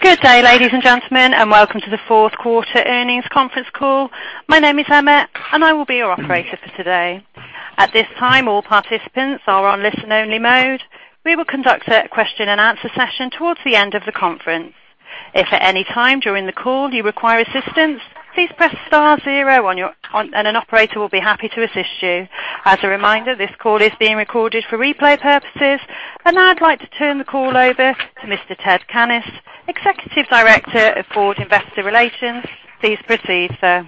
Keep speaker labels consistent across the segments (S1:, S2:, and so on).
S1: Good day, ladies and gentlemen, and welcome to the fourth quarter earnings conference call. My name is Emma, and I will be your operator for today. At this time, all participants are on listen-only mode. We will conduct a question-and-answer session towards the end of the conference. If at any time during the call you require assistance, please press star zero and an operator will be happy to assist you. As a reminder, this call is being recorded for replay purposes. Now I'd like to turn the call over to Mr. Ted Cannis, Executive Director of Ford Investor Relations. Please proceed, sir.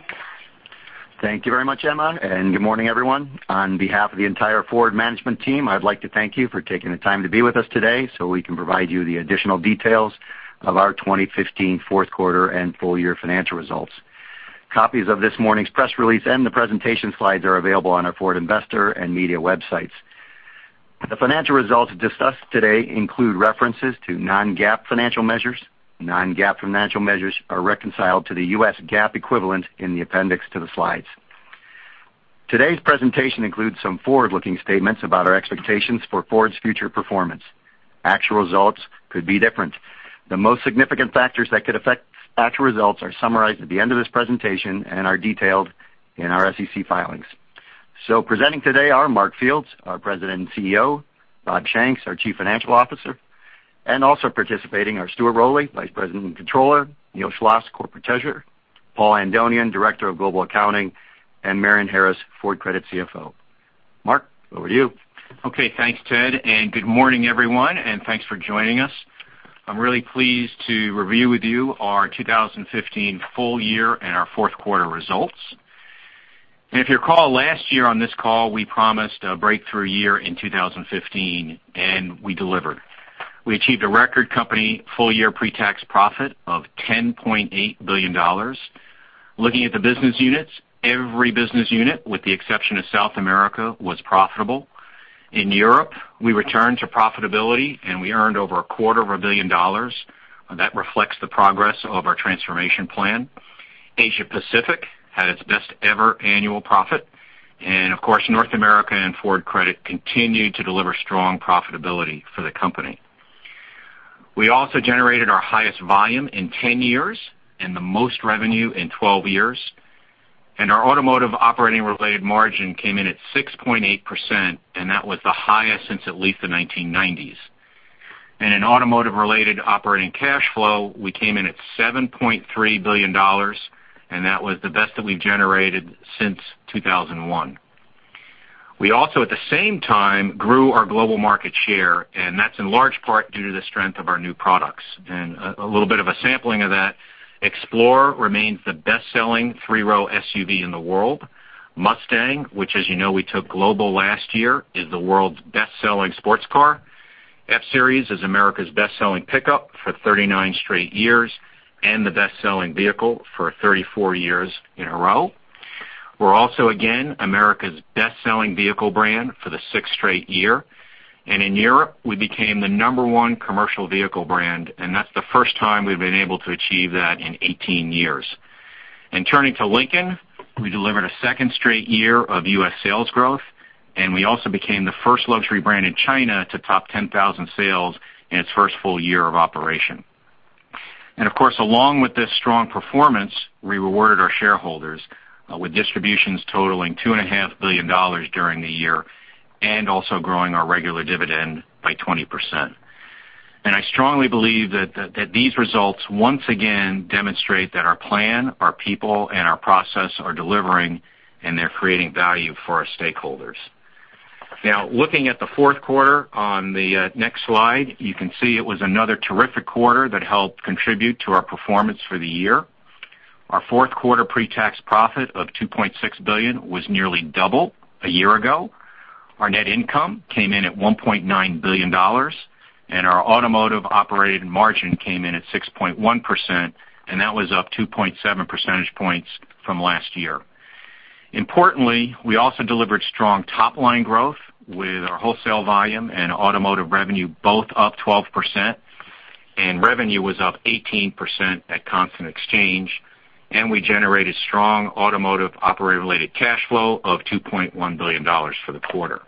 S2: Thank you very much, Emma, and good morning, everyone. On behalf of the entire Ford management team, I'd like to thank you for taking the time to be with us today so we can provide you the additional details of our 2015 fourth quarter and full year financial results. Copies of this morning's press release and the presentation slides are available on our Ford investor and media websites. The financial results discussed today include references to non-GAAP financial measures. Non-GAAP financial measures are reconciled to the U.S. GAAP equivalent in the appendix to the slides. Today's presentation includes some forward-looking statements about our expectations for Ford's future performance. Actual results could be different. The most significant factors that could affect actual results are summarized at the end of this presentation and are detailed in our SEC filings. Presenting today are Mark Fields, our President and CEO, Bob Shanks, our Chief Financial Officer, and also participating are Stuart Rowley, Vice President and Controller, Neil Schloss, Corporate Treasurer, Paul Andonian, Director of Global Accounting, and Marion Harris, Ford Credit CFO. Mark, over to you.
S3: Thanks, Ted, and good morning, everyone, and thanks for joining us. I'm really pleased to review with you our 2015 full year and our fourth quarter results. If you recall last year on this call, we promised a breakthrough year in 2015, and we delivered. We achieved a record company full-year pre-tax profit of $10.8 billion. Looking at the business units, every business unit, with the exception of South America, was profitable. In Europe, we returned to profitability, and we earned over a quarter of a billion dollars. That reflects the progress of our transformation plan. Asia Pacific had its best-ever annual profit. Of course, North America and Ford Credit continued to deliver strong profitability for the company. We also generated our highest volume in 10 years and the most revenue in 12 years. Our automotive operating related margin came in at 6.8%. That was the highest since at least the 1990s. In automotive-related operating cash flow, we came in at $7.3 billion. That was the best that we've generated since 2001. We also, at the same time, grew our global market share. That's in large part due to the strength of our new products. A little bit of a sampling of that, Explorer remains the best-selling three-row SUV in the world. Mustang, which as you know, we took global last year, is the world's best-selling sports car. F-Series is America's best-selling pickup for 39 straight years and the best-selling vehicle for 34 years in a row. We're also, again, America's best-selling vehicle brand for the sixth straight year. In Europe, we became the number one commercial vehicle brand. That's the first time we've been able to achieve that in 18 years. Turning to Lincoln, we delivered a second straight year of U.S. sales growth. We also became the first luxury brand in China to top 10,000 sales in its first full year of operation. Of course, along with this strong performance, we rewarded our shareholders with distributions totaling $2.5 billion during the year and also growing our regular dividend by 20%. I strongly believe that these results once again demonstrate that our plan, our people, and our process are delivering. They're creating value for our stakeholders. Now, looking at the fourth quarter on the next slide, you can see it was another terrific quarter that helped contribute to our performance for the year. Our fourth quarter pre-tax profit of $2.6 billion was nearly double a year ago. Our net income came in at $1.9 billion. Our automotive operating margin came in at 6.1%. That was up 2.7 percentage points from last year. Importantly, we also delivered strong top-line growth with our wholesale volume and automotive revenue both up 12%. Revenue was up 18% at constant exchange. We generated strong automotive operating related cash flow of $2.1 billion for the quarter.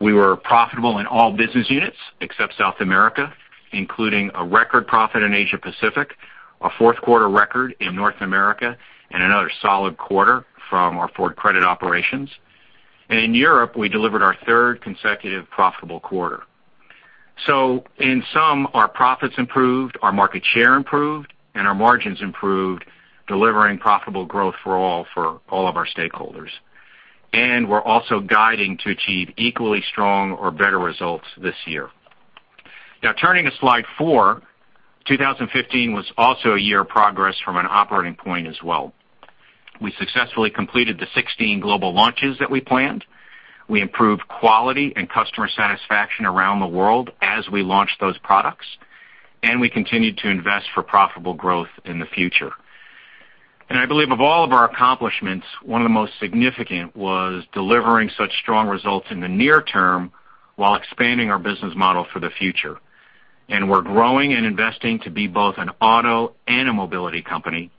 S3: We were profitable in all business units except South America, including a record profit in Asia Pacific, a fourth quarter record in North America, and another solid quarter from our Ford Credit operations. In Europe, we delivered our third consecutive profitable quarter. In sum, our profits improved. Our market share improved. Our margins improved, delivering profitable growth for all of our stakeholders. We're also guiding to achieve equally strong or better results this year. Now turning to slide 4, 2015 was also a year of progress from an operating point as well. We successfully completed the 16 global launches that we planned. We improved quality and customer satisfaction around the world as we launched those products. We continued to invest for profitable growth in the future. I believe of all of our accomplishments, one of the most significant was delivering such strong results in the near term while expanding our business model for the future. We're growing and investing to be both an auto and a mobility company.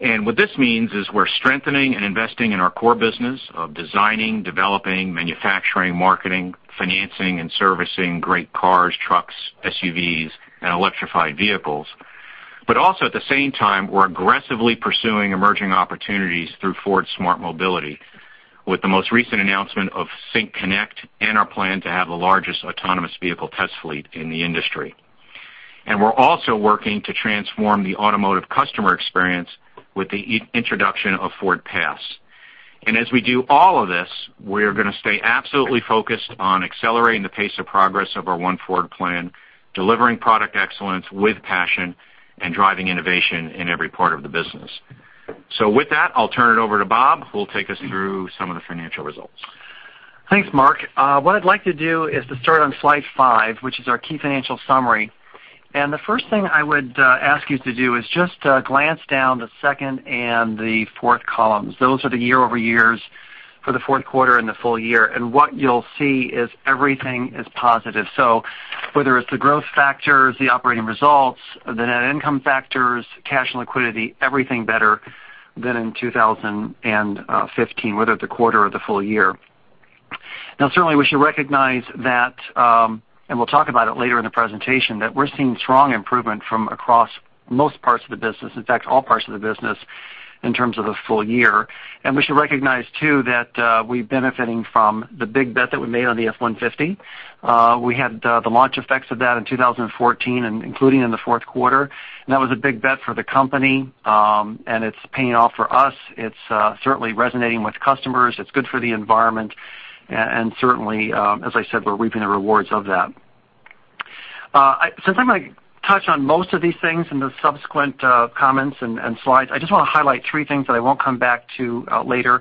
S3: What this means is we're strengthening and investing in our core business of designing, developing, manufacturing, marketing, financing, and servicing great cars, trucks, SUVs, and electrified vehicles. At the same time, we're aggressively pursuing emerging opportunities through Ford Smart Mobility with the most recent announcement of SYNC Connect and our plan to have the largest autonomous vehicle test fleet in the industry. We're also working to transform the automotive customer experience with the introduction of FordPass. As we do all of this, we are going to stay absolutely focused on accelerating the pace of progress of our One Ford plan, delivering product excellence with passion, and driving innovation in every part of the business. With that, I'll turn it over to Bob, who will take us through some of the financial results.
S4: Thanks, Mark. What I'd like to do is to start on slide five, which is our key financial summary. The first thing I would ask you to do is just glance down the second and the fourth columns. Those are the year-over-years for the fourth quarter and the full year. What you'll see is everything is positive. Whether it's the growth factors, the operating results, the net income factors, cash and liquidity, everything better than in 2015, whether it's the quarter or the full year. Certainly, we should recognize that, and we'll talk about it later in the presentation, that we're seeing strong improvement from across most parts of the business, in fact, all parts of the business in terms of the full year. We should recognize too, that we're benefiting from the big bet that we made on the F-150. We had the launch effects of that in 2014, including in the fourth quarter. That was a big bet for the company, and it's paying off for us. It's certainly resonating with customers. It's good for the environment, and certainly, as I said, we're reaping the rewards of that. Since I'm going to touch on most of these things in the subsequent comments and slides, I just want to highlight three things that I won't come back to later.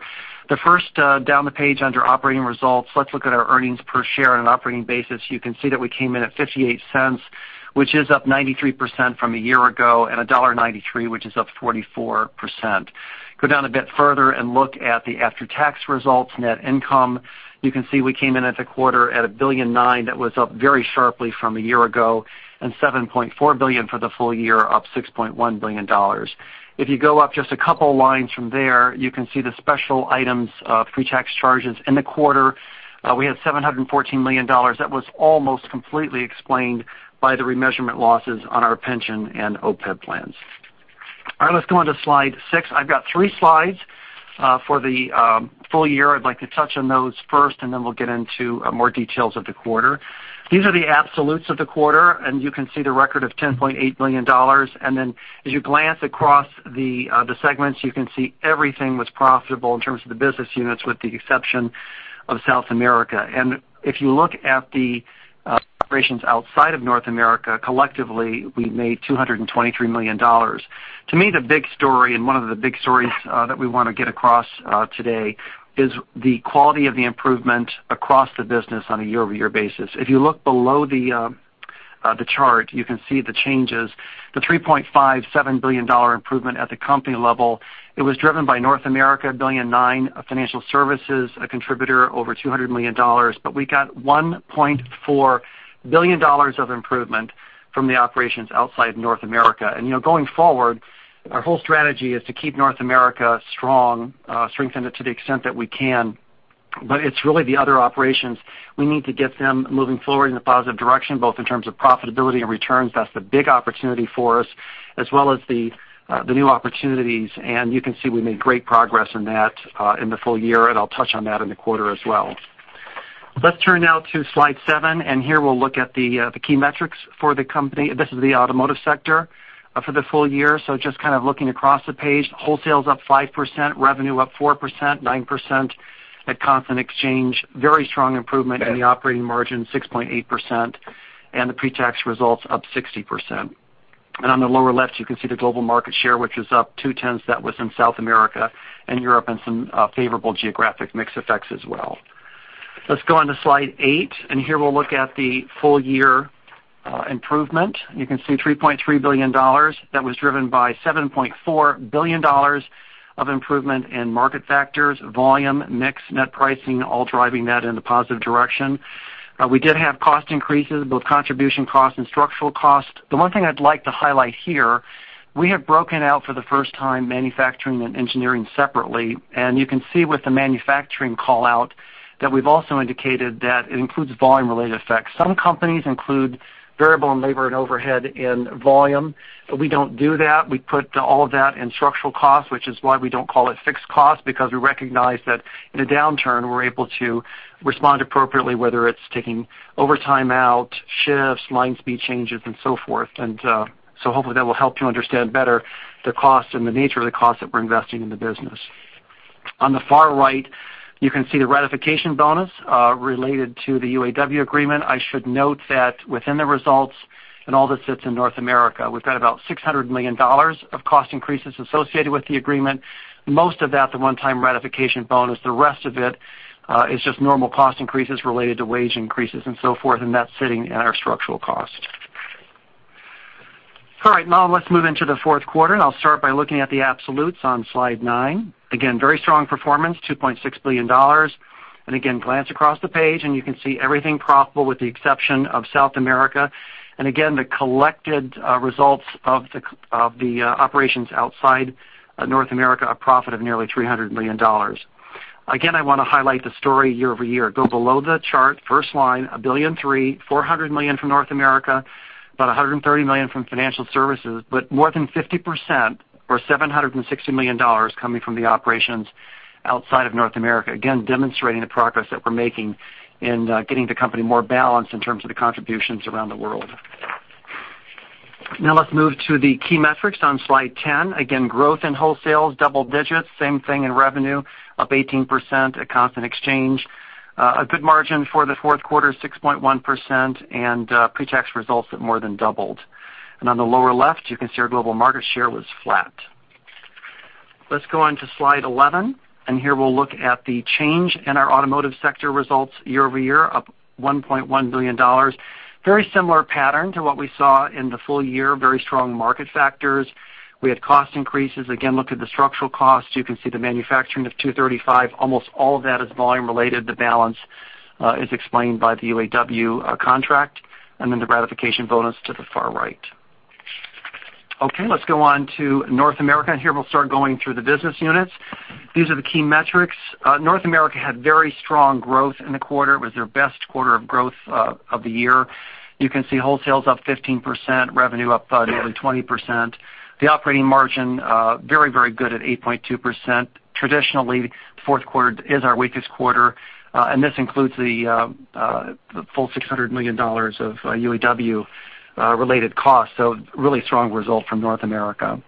S4: The first, down the page under operating results, let's look at our earnings per share on an operating basis. You can see that we came in at $0.58, which is up 93% from a year ago, and $1.93, which is up 44%. Go down a bit further and look at the after-tax results, net income. You can see we came in at the quarter at $1.9 billion. That was up very sharply from a year ago, and $7.4 billion for the full year, up $6.1 billion. If you go up just a couple lines from there, you can see the special items of pre-tax charges. In the quarter, we had $714 million. That was almost completely explained by the remeasurement losses on our pension and OPEB plans. Let's go on to slide six. I've got three slides for the full year. I'd like to touch on those first, and then we'll get into more details of the quarter. These are the absolutes of the quarter, and you can see the record of $10.8 billion. Then as you glance across the segments, you can see everything was profitable in terms of the business units, with the exception of South America. If you look at the operations outside of North America, collectively, we made $223 million. To me, the big story and one of the big stories that we want to get across today is the quality of the improvement across the business on a year-over-year basis. If you look below the chart, you can see the changes. The $3.57 billion improvement at the company level, it was driven by North America, $1.9 billion, financial services, a contributor over $200 million. We got $1.4 billion of improvement from the operations outside North America. Going forward, our whole strategy is to keep North America strong, strengthen it to the extent that we can, but it's really the other operations. We need to get them moving forward in a positive direction, both in terms of profitability and returns. That's the big opportunity for us, as well as the new opportunities. You can see we made great progress in that in the full year, and I'll touch on that in the quarter as well. Let's turn now to slide seven. Here we'll look at the key metrics for the company. This is the automotive sector for the full year. Just kind of looking across the page, wholesale is up 5%, revenue up 4%, 9% at constant exchange. Very strong improvement in the operating margin, 6.8%, and the pre-tax results up 60%. On the lower left, you can see the global market share, which is up two-tenths. That was in South America and Europe and some favorable geographic mix effects as well. Let's go on to slide eight. Here we'll look at the full-year improvement. You can see $3.3 billion. That was driven by $7.4 billion of improvement in market factors, volume, mix, net pricing, all driving that in a positive direction. We did have cost increases, both contribution costs and structural costs. The one thing I'd like to highlight here, we have broken out for the first time manufacturing and engineering separately. You can see with the manufacturing call-out that we've also indicated that it includes volume-related effects. Some companies include variable and labor and overhead in volume, we don't do that. We put all of that in structural cost, which is why we don't call it fixed cost, because we recognize that in a downturn, we're able to respond appropriately, whether it's taking overtime out, shifts, line speed changes, and so forth. Hopefully, that will help you understand better the cost and the nature of the cost that we're investing in the business. On the far right, you can see the ratification bonus related to the UAW agreement. I should note that within the results, and all this sits in North America, we've had about $600 million of cost increases associated with the agreement. Most of that, the one-time ratification bonus. The rest of it is just normal cost increases related to wage increases and so forth, and that's sitting in our structural cost. All right. Now let's move into the fourth quarter. I'll start by looking at the absolutes on slide nine. Again, very strong performance, $2.6 billion. Again, glance across the page and you can see everything profitable with the exception of South America. Again, the collected results of the operations outside North America, a profit of nearly $300 million. Again, I want to highlight the story year-over-year. Go below the chart, first line, $1.3 billion, $400 million from North America, about $130 million from financial services, but more than 50% or $760 million coming from the operations outside of North America, again, demonstrating the progress that we're making in getting the company more balanced in terms of the contributions around the world. Let's move to the key metrics on slide 10. Growth in wholesale, double digits. Same thing in revenue, up 18%, a constant exchange. A good margin for the fourth quarter, 6.1%, and pre-tax results that more than doubled. On the lower left, you can see our global market share was flat. Let's go on to slide 11, and here we'll look at the change in our automotive sector results year-over-year, up $1.1 billion. Very similar pattern to what we saw in the full year. Very strong market factors. We had cost increases. Look at the structural costs. You can see the manufacturing of $235. Almost all of that is volume related. The balance is explained by the UAW contract, and then the ratification bonus to the far right. Let's go on to North America, and here we'll start going through the business units. These are the key metrics. North America had very strong growth in the quarter. It was their best quarter of growth of the year. You can see wholesale's up 15%, revenue up nearly 20%. The operating margin very, very good at 8.2%. Traditionally, fourth quarter is our weakest quarter. This includes the full $600 million of UAW-related costs. Really strong result from North America.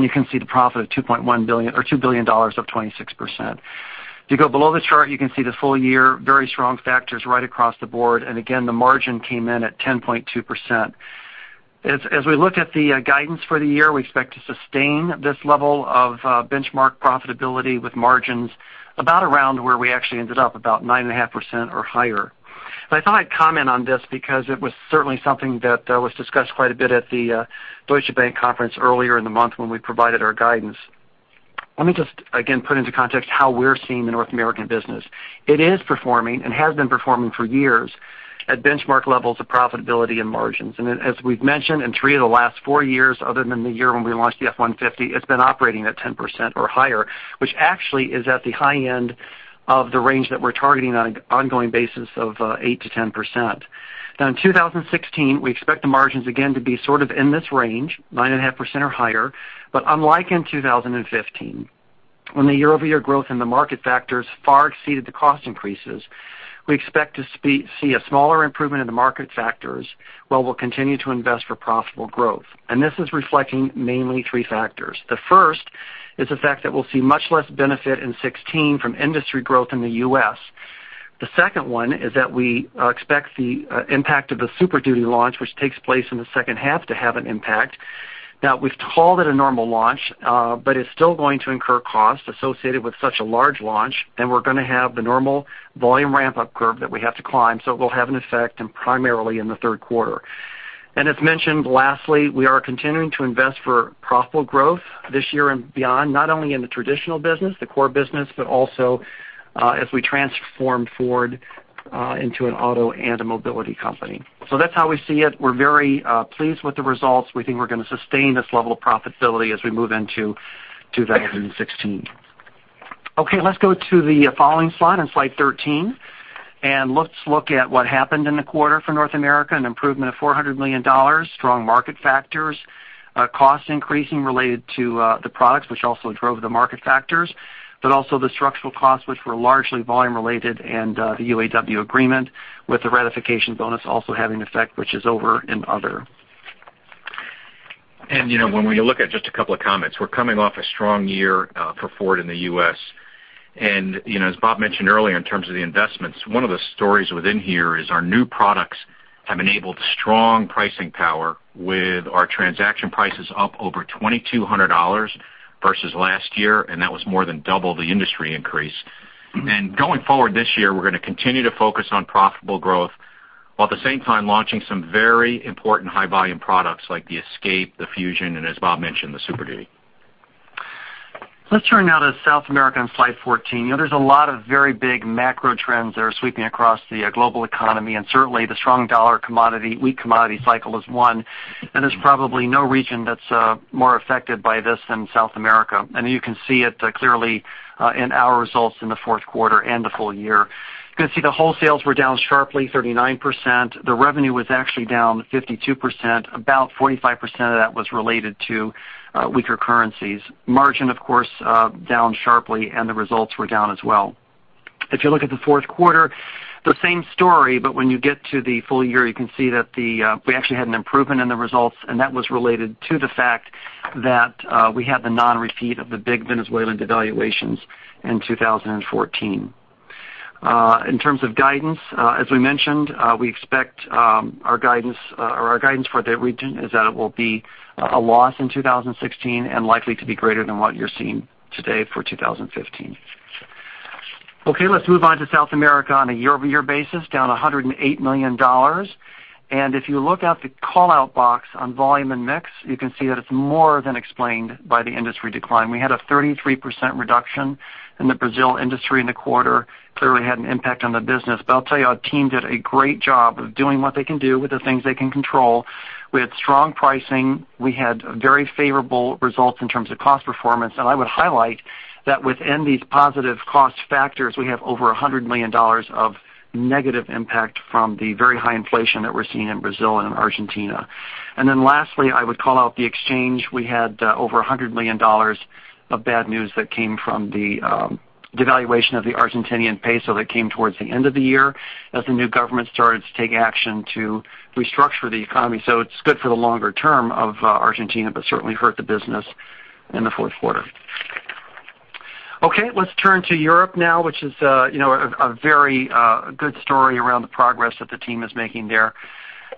S4: You can see the profit of $2 billion, up 26%. If you go below the chart, you can see the full year, very strong factors right across the board. Again, the margin came in at 10.2%. As we look at the guidance for the year, we expect to sustain this level of benchmark profitability with margins about around where we actually ended up, about 9.5% or higher. I thought I'd comment on this because it was certainly something that was discussed quite a bit at the Deutsche Bank conference earlier in the month when we provided our guidance. Let me just, again, put into context how we're seeing the North American business. It is performing, and has been performing for years, at benchmark levels of profitability and margins. As we've mentioned, in three of the last four years, other than the year when we launched the F-150, it's been operating at 10% or higher, which actually is at the high end of the range that we're targeting on an ongoing basis of 8%-10%. In 2016, we expect the margins again to be sort of in this range, 9.5% or higher. Unlike in 2015, when the year-over-year growth in the market factors far exceeded the cost increases, we expect to see a smaller improvement in the market factors while we'll continue to invest for profitable growth. This is reflecting mainly three factors. The first is the fact that we'll see much less benefit in 2016 from industry growth in the U.S. The second one is that we expect the impact of the Super Duty launch, which takes place in the second half, to have an impact. We've called it a normal launch, but it's still going to incur costs associated with such a large launch, and we're going to have the normal volume ramp-up curve that we have to climb. It will have an effect primarily in the third quarter. As mentioned, lastly, we are continuing to invest for profitable growth this year and beyond, not only in the traditional business, the core business, but also as we transform Ford into an auto and a mobility company. That's how we see it. We're very pleased with the results. We think we're going to sustain this level of profitability as we move into 2016. Let's go to the following slide on slide 13, and let's look at what happened in the quarter for North America, an improvement of $400 million, strong market factors, cost increasing related to the products, which also drove the market factors, but also the structural costs, which were largely volume related, and the UAW agreement with the ratification bonus also having effect, which is over in other.
S3: When we look at just a couple of comments, we're coming off a strong year for Ford in the U.S. As Bob mentioned earlier, in terms of the investments, one of the stories within here is our new products have enabled strong pricing power with our transaction prices up over $2,200 versus last year, and that was more than double the industry increase. Going forward this year, we're going to continue to focus on profitable growth, while at the same time launching some very important high-volume products like the Escape, the Fusion, and as Bob mentioned, the Super Duty.
S4: Let's turn now to South America on slide 14. There's a lot of very big macro trends that are sweeping across the global economy, and certainly the strong dollar commodity, weak commodity cycle is one, and there's probably no region that's more affected by this than South America. You can see it clearly in our results in the fourth quarter and the full year. You can see the wholesales were down sharply, 39%. The revenue was actually down 52%. About 45% of that was related to weaker currencies. Margin, of course, down sharply, and the results were down as well. If you look at the fourth quarter, the same story, but when you get to the full year, you can see that we actually had an improvement in the results, and that was related to the fact that we had the non-repeat of the big Venezuelan devaluations in 2014. In terms of guidance, as we mentioned, our guidance for the region is that it will be a loss in 2016 and likely to be greater than what you're seeing today for 2015. Let's move on to South America on a year-over-year basis, down $108 million. If you look at the call-out box on volume and mix, you can see that it's more than explained by the industry decline. We had a 33% reduction in the Brazil industry in the quarter, clearly had an impact on the business. I'll tell you, our team did a great job of doing what they can do with the things they can control. We had strong pricing. We had very favorable results in terms of cost performance. I would highlight that within these positive cost factors, we have over $100 million of negative impact from the very high inflation that we're seeing in Brazil and Argentina. Lastly, I would call out the exchange. We had over $100 million of bad news that came from the devaluation of the Argentinian peso that came towards the end of the year as the new government started to take action to restructure the economy. It's good for the longer term of Argentina, certainly hurt the business in the fourth quarter. Let's turn to Europe now, which is a very good story around the progress that the team is making there.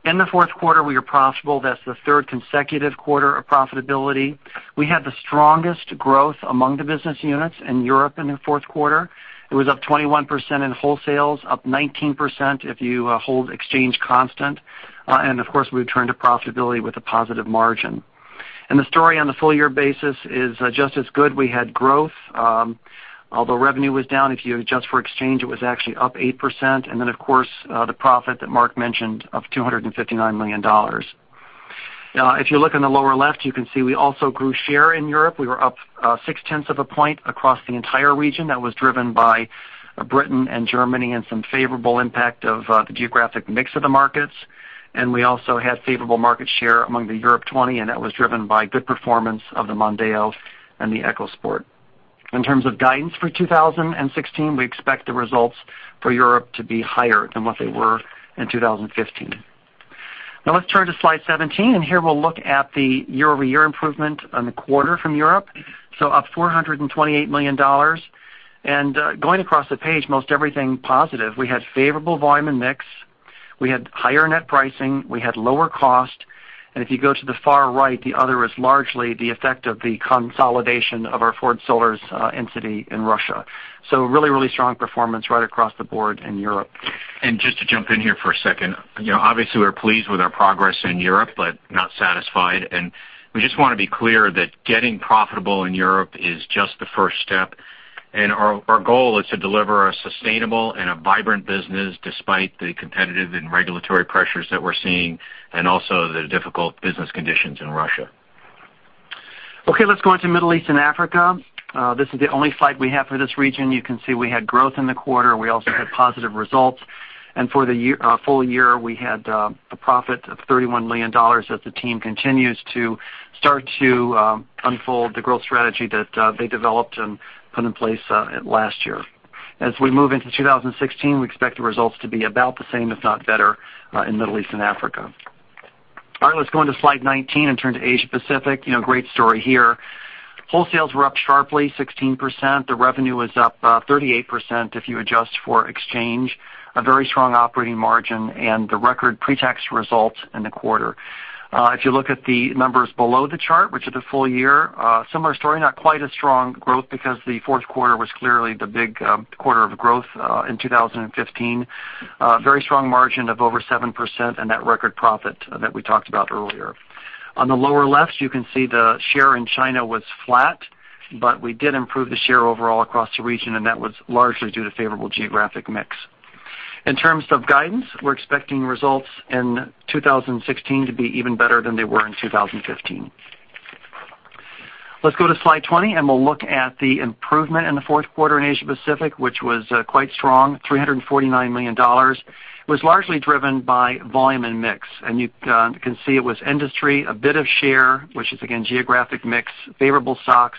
S4: In the fourth quarter, we were profitable. That's the third consecutive quarter of profitability. We had the strongest growth among the business units in Europe in the fourth quarter. It was up 21% in wholesales, up 19% if you hold exchange constant. Of course, we've turned to profitability with a positive margin. The story on the full-year basis is just as good. We had growth. Although revenue was down, if you adjust for exchange, it was actually up 8%. Then, of course, the profit that Mark mentioned of $259 million. If you look in the lower left, you can see we also grew share in Europe. We were up 6/10 of a point across the entire region. That was driven by Britain and Germany and some favorable impact of the geographic mix of the markets. We also had favorable market share among the Europe 20, and that was driven by good performance of the Mondeo and the EcoSport. In terms of guidance for 2016, we expect the results for Europe to be higher than what they were in 2015. Let's turn to slide 17, and here we'll look at the year-over-year improvement on the quarter from Europe. Up $428 million. Going across the page, most everything positive. We had favorable volume and mix. We had higher net pricing. We had lower cost. If you go to the far right, the other is largely the effect of the consolidation of our Ford Sollers entity in Russia. Really strong performance right across the board in Europe.
S3: Just to jump in here for a second. Obviously, we're pleased with our progress in Europe, but not satisfied. We just want to be clear that getting profitable in Europe is just the first step. Our goal is to deliver a sustainable and a vibrant business despite the competitive and regulatory pressures that we're seeing and also the difficult business conditions in Russia.
S4: Okay, let's go on to Middle East and Africa. This is the only slide we have for this region. You can see we had growth in the quarter. We also had positive results. For the full year, we had a profit of $31 million as the team continues to start to unfold the growth strategy that they developed and put in place last year. As we move into 2016, we expect the results to be about the same, if not better, in Middle East and Africa. All right, let's go on to slide 19 and turn to Asia Pacific. Great story here. Wholesales were up sharply, 16%. The revenue was up 38% if you adjust for exchange. A very strong operating margin and the record pre-tax results in the quarter. If you look at the numbers below the chart, which are the full year, similar story, not quite as strong growth because the fourth quarter was clearly the big quarter of growth in 2015. Very strong margin of over 7% and that record profit that we talked about earlier. On the lower left, you can see the share in China was flat, but we did improve the share overall across the region, and that was largely due to favorable geographic mix. In terms of guidance, we're expecting results in 2016 to be even better than they were in 2015. Let's go to slide 20 and we'll look at the improvement in the fourth quarter in Asia Pacific, which was quite strong, $349 million. It was largely driven by volume and mix. You can see it was industry, a bit of share, which is again geographic mix, favorable stocks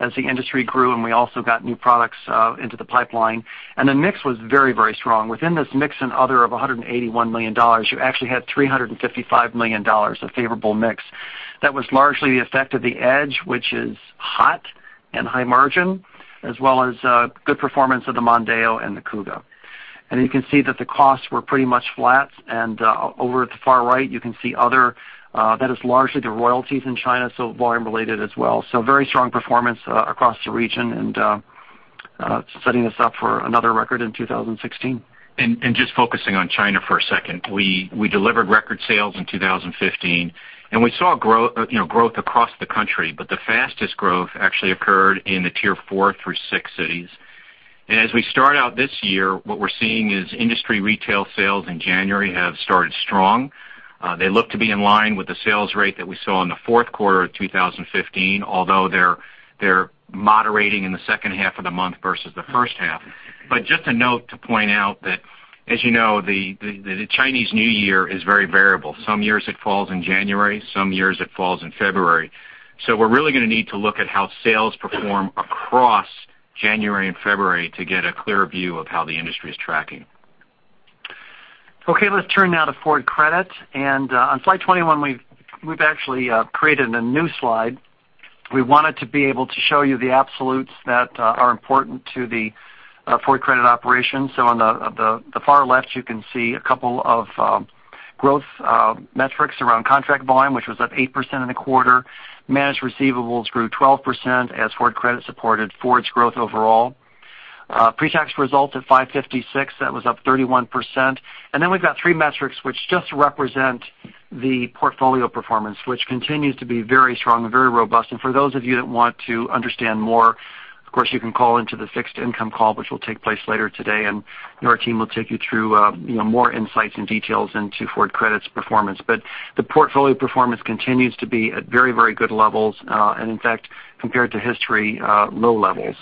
S4: as the industry grew and we also got new products into the pipeline. The mix was very strong. Within this mix and other of $181 million, you actually had $355 million of favorable mix. That was largely the effect of the Edge, which is hot and high margin, as well as good performance of the Mondeo and the Kuga. You can see that the costs were pretty much flat and over at the far right, you can see other, that is largely the royalties in China, so volume related as well. Very strong performance across the region and setting us up for another record in 2016.
S3: Just focusing on China for a second. We delivered record sales in 2015 and we saw growth across the country, but the fastest growth actually occurred in the tier 4 through 6 cities. As we start out this year, what we're seeing is industry retail sales in January have started strong. They look to be in line with the sales rate that we saw in the fourth quarter of 2015, although they're moderating in the second half of the month versus the first half. Just a note to point out that, as you know, the Chinese New Year is very variable. Some years it falls in January, some years it falls in February. We're really going to need to look at how sales perform across January and February to get a clearer view of how the industry is tracking.
S4: Let's turn now to Ford Credit. On slide 21, we've actually created a new slide. We wanted to be able to show you the absolutes that are important to the Ford Credit operation. On the far left, you can see a couple of growth metrics around contract volume, which was up 8% in the quarter. Managed receivables grew 12% as Ford Credit supported Ford's growth overall. Pre-tax result of $556 million, that was up 31%. We've got three metrics which just represent the portfolio performance, which continues to be very strong and very robust. For those of you that want to understand more, of course, you can call into the fixed income call, which will take place later today, and our team will take you through more insights and details into Ford Credit's performance. The portfolio performance continues to be at very good levels, and in fact, compared to history, low levels.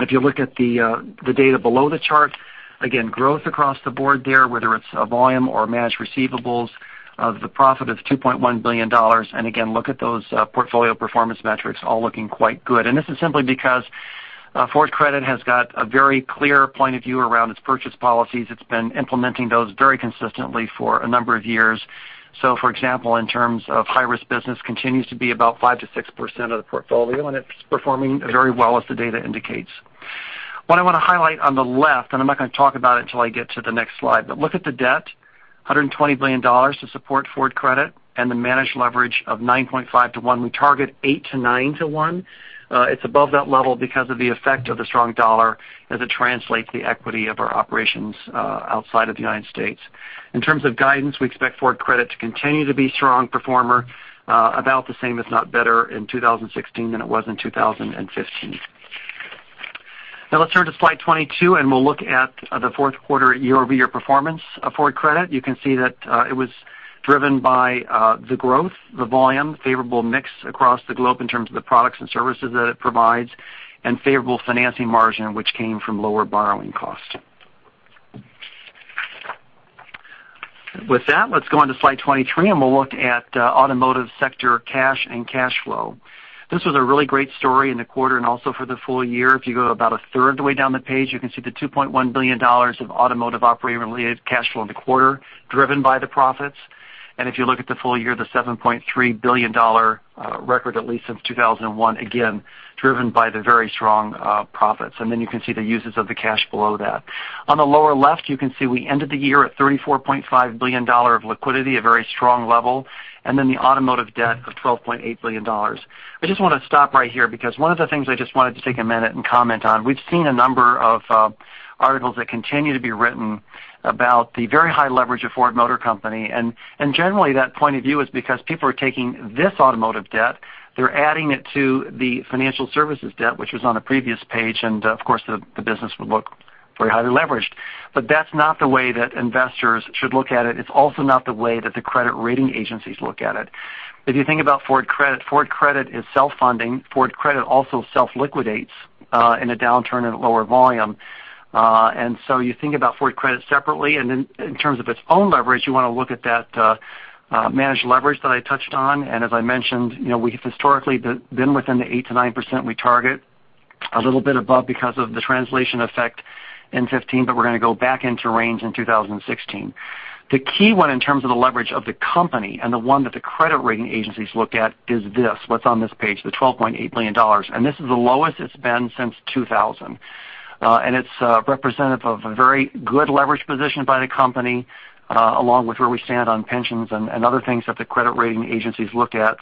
S4: If you look at the data below the chart, again, growth across the board there, whether it's volume or managed receivables. The profit is $2.1 billion. Again, look at those portfolio performance metrics all looking quite good. This is simply because Ford Credit has got a very clear point of view around its purchase policies. It's been implementing those very consistently for a number of years. For example, in terms of high-risk business, continues to be about 5%-6% of the portfolio, and it's performing very well as the data indicates. What I want to highlight on the left, I'm not going to talk about it until I get to the next slide, look at the debt, $120 billion to support Ford Credit and the managed leverage of 9.5 to one. We target 8 to 9 to one. It's above that level because of the effect of the strong dollar as it translates the equity of our operations outside of the U.S. In terms of guidance, we expect Ford Credit to continue to be a strong performer, about the same, if not better, in 2016 than it was in 2015. Let's turn to slide 22 and we'll look at the fourth quarter year-over-year performance of Ford Credit. You can see that it was driven by the growth, the volume, favorable mix across the globe in terms of the products and services that it provides, and favorable financing margin, which came from lower borrowing costs. With that, let's go on to slide 23 and we'll look at automotive sector cash and cash flow. This was a really great story in the quarter and also for the full year. If you go about a third of the way down the page, you can see the $2.1 billion of automotive operating-related cash flow in the quarter driven by the profits. If you look at the full year, the $7.3 billion record at least since 2001, again, driven by the very strong profits. Then you can see the uses of the cash below that. On the lower left, you can see we ended the year at $34.5 billion of liquidity, a very strong level, then the automotive debt of $12.8 billion. I just want to stop right here because one of the things I just wanted to take a minute and comment on, we've seen a number of articles that continue to be written about the very high leverage of Ford Motor Company. Generally, that point of view is because people are taking this automotive debt, they're adding it to the financial services debt, which was on a previous page, and of course, the business would look very highly leveraged. That's not the way that investors should look at it. It's also not the way that the credit rating agencies look at it. If you think about Ford Credit, Ford Credit is self-funding. Ford Credit also self-liquidates in a downturn at lower volume. You think about Ford Credit separately. In terms of its own leverage, you want to look at that managed leverage that I touched on. As I mentioned, we've historically been within the 8%-9% we target. A little bit above because of the translation effect in 2015, but we're going to go back into range in 2016. The key one in terms of the leverage of the company and the one that the credit rating agencies look at is this, what's on this page, the $12.8 billion. This is the lowest it's been since 2000. It's representative of a very good leverage position by the company, along with where we stand on pensions and other things that the credit rating agencies look at.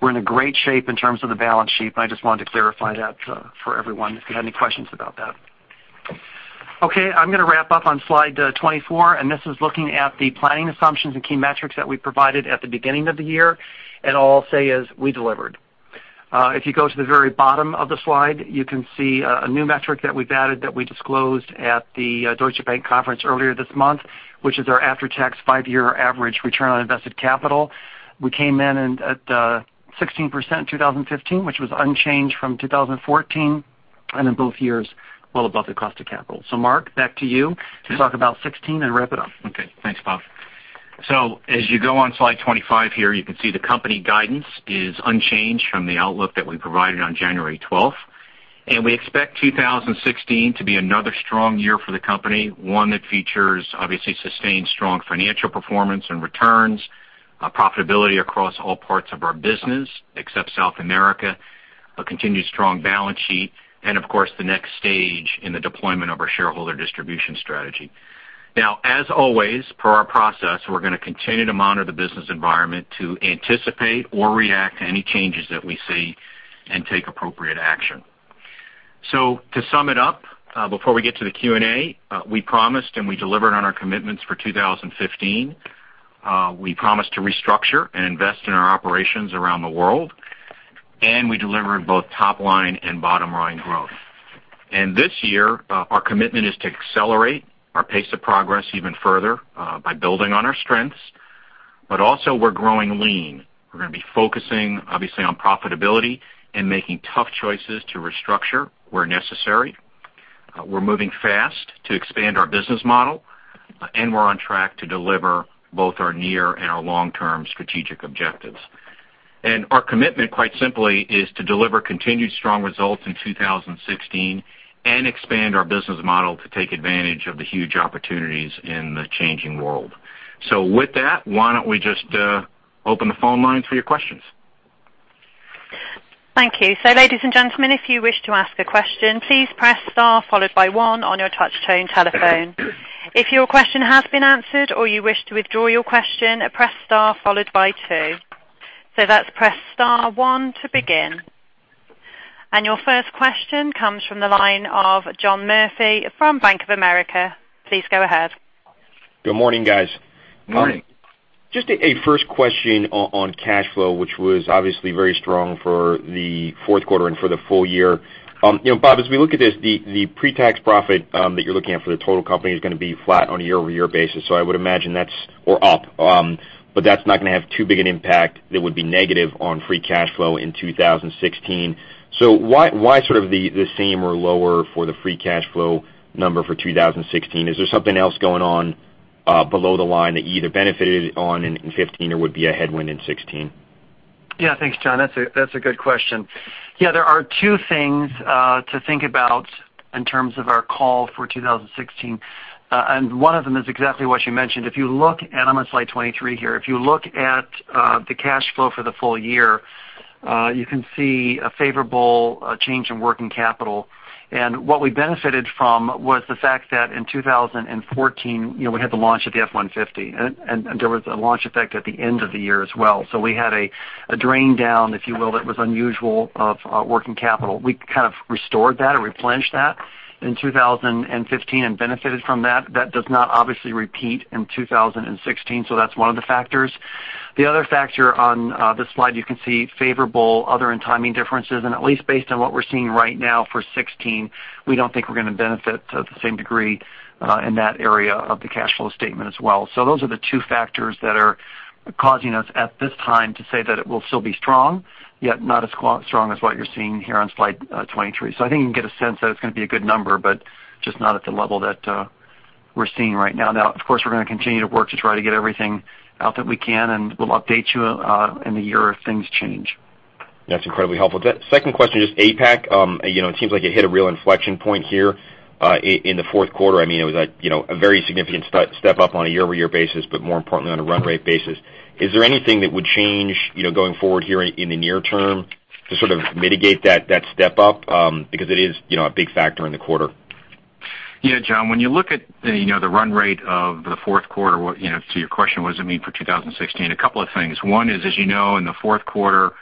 S4: We're in a great shape in terms of the balance sheet. I just wanted to clarify that for everyone, if you had any questions about that. Okay, I'm going to wrap up on slide 24, this is looking at the planning assumptions and key metrics that we provided at the beginning of the year. All I'll say is we delivered. If you go to the very bottom of the slide, you can see a new metric that we've added that we disclosed at the Deutsche Bank conference earlier this month, which is our after-tax five-year average return on invested capital. We came in at 16% in 2015, which was unchanged from 2014, and in both years, well above the cost of capital. Mark, back to you to talk about 2016 and wrap it up.
S3: Okay, thanks, Bob. As you go on slide 25 here, you can see the company guidance is unchanged from the outlook that we provided on January 12th. We expect 2016 to be another strong year for the company, one that features obviously sustained strong financial performance and returns, profitability across all parts of our business except South America, a continued strong balance sheet, and of course, the next stage in the deployment of our shareholder distribution strategy. Now, as always, per our process, we're going to continue to monitor the business environment to anticipate or react to any changes that we see and take appropriate action. To sum it up before we get to the Q&A, we promised and we delivered on our commitments for 2015. We promised to restructure and invest in our operations around the world, and we delivered both top-line and bottom-line growth. This year, our commitment is to accelerate our pace of progress even further by building on our strengths. Also we're growing lean. We're going to be focusing obviously on profitability and making tough choices to restructure where necessary. We're moving fast to expand our business model, and we're on track to deliver both our near and our long-term strategic objectives. Our commitment, quite simply, is to deliver continued strong results in 2016 and expand our business model to take advantage of the huge opportunities in the changing world. With that, why don't we just open the phone lines for your questions?
S1: Thank you. Ladies and gentlemen, if you wish to ask a question, please press star followed by one on your touch-tone telephone. If your question has been answered or you wish to withdraw your question, press star followed by two. That's press star one to begin. Your first question comes from the line of John Murphy from Bank of America. Please go ahead.
S5: Good morning, guys.
S4: Morning.
S5: Just a first question on cash flow, which was obviously very strong for the fourth quarter and for the full year. Bob, as we look at this, the pre-tax profit that you're looking at for the total company is going to be flat on a year-over-year basis, or up, but that's not going to have too big an impact that would be negative on free cash flow in 2016. Why the same or lower for the free cash flow number for 2016? Is there something else going on below the line that you either benefited on in 2015 or would be a headwind in 2016?
S4: Thanks, John. That's a good question. There are two things to think about in terms of our call for 2016, one of them is exactly what you mentioned. I'm on slide 23 here. If you look at the cash flow for the full year, you can see a favorable change in working capital. What we benefited from was the fact that in 2014, we had the launch of the F-150, and there was a launch effect at the end of the year as well. We had a drain down, if you will, that was unusual of working capital. We restored that or replenished that in 2015 and benefited from that. That does not obviously repeat in 2016, that's one of the factors. The other factor on this slide, you can see favorable other and timing differences, at least based on what we're seeing right now for 2016, we don't think we're going to benefit to the same degree in that area of the cash flow statement as well. Those are the two factors that are causing us at this time to say that it will still be strong, yet not as strong as what you're seeing here on slide 23. I think you can get a sense that it's going to be a good number, but just not at the level that we're seeing right now. Of course, we're going to continue to work to try to get everything out that we can, we'll update you in the year if things change.
S5: That's incredibly helpful. Second question, just APAC. It seems like it hit a real inflection point here in the fourth quarter. It was a very significant step-up on a year-over-year basis, more importantly on a run rate basis. Is there anything that would change going forward here in the near term to mitigate that step up? It is a big factor in the quarter.
S3: Yeah, John. When you look at the run rate of the fourth quarter, to your question, what does it mean for 2016? A couple of things. One is, as you know, in the fourth quarter,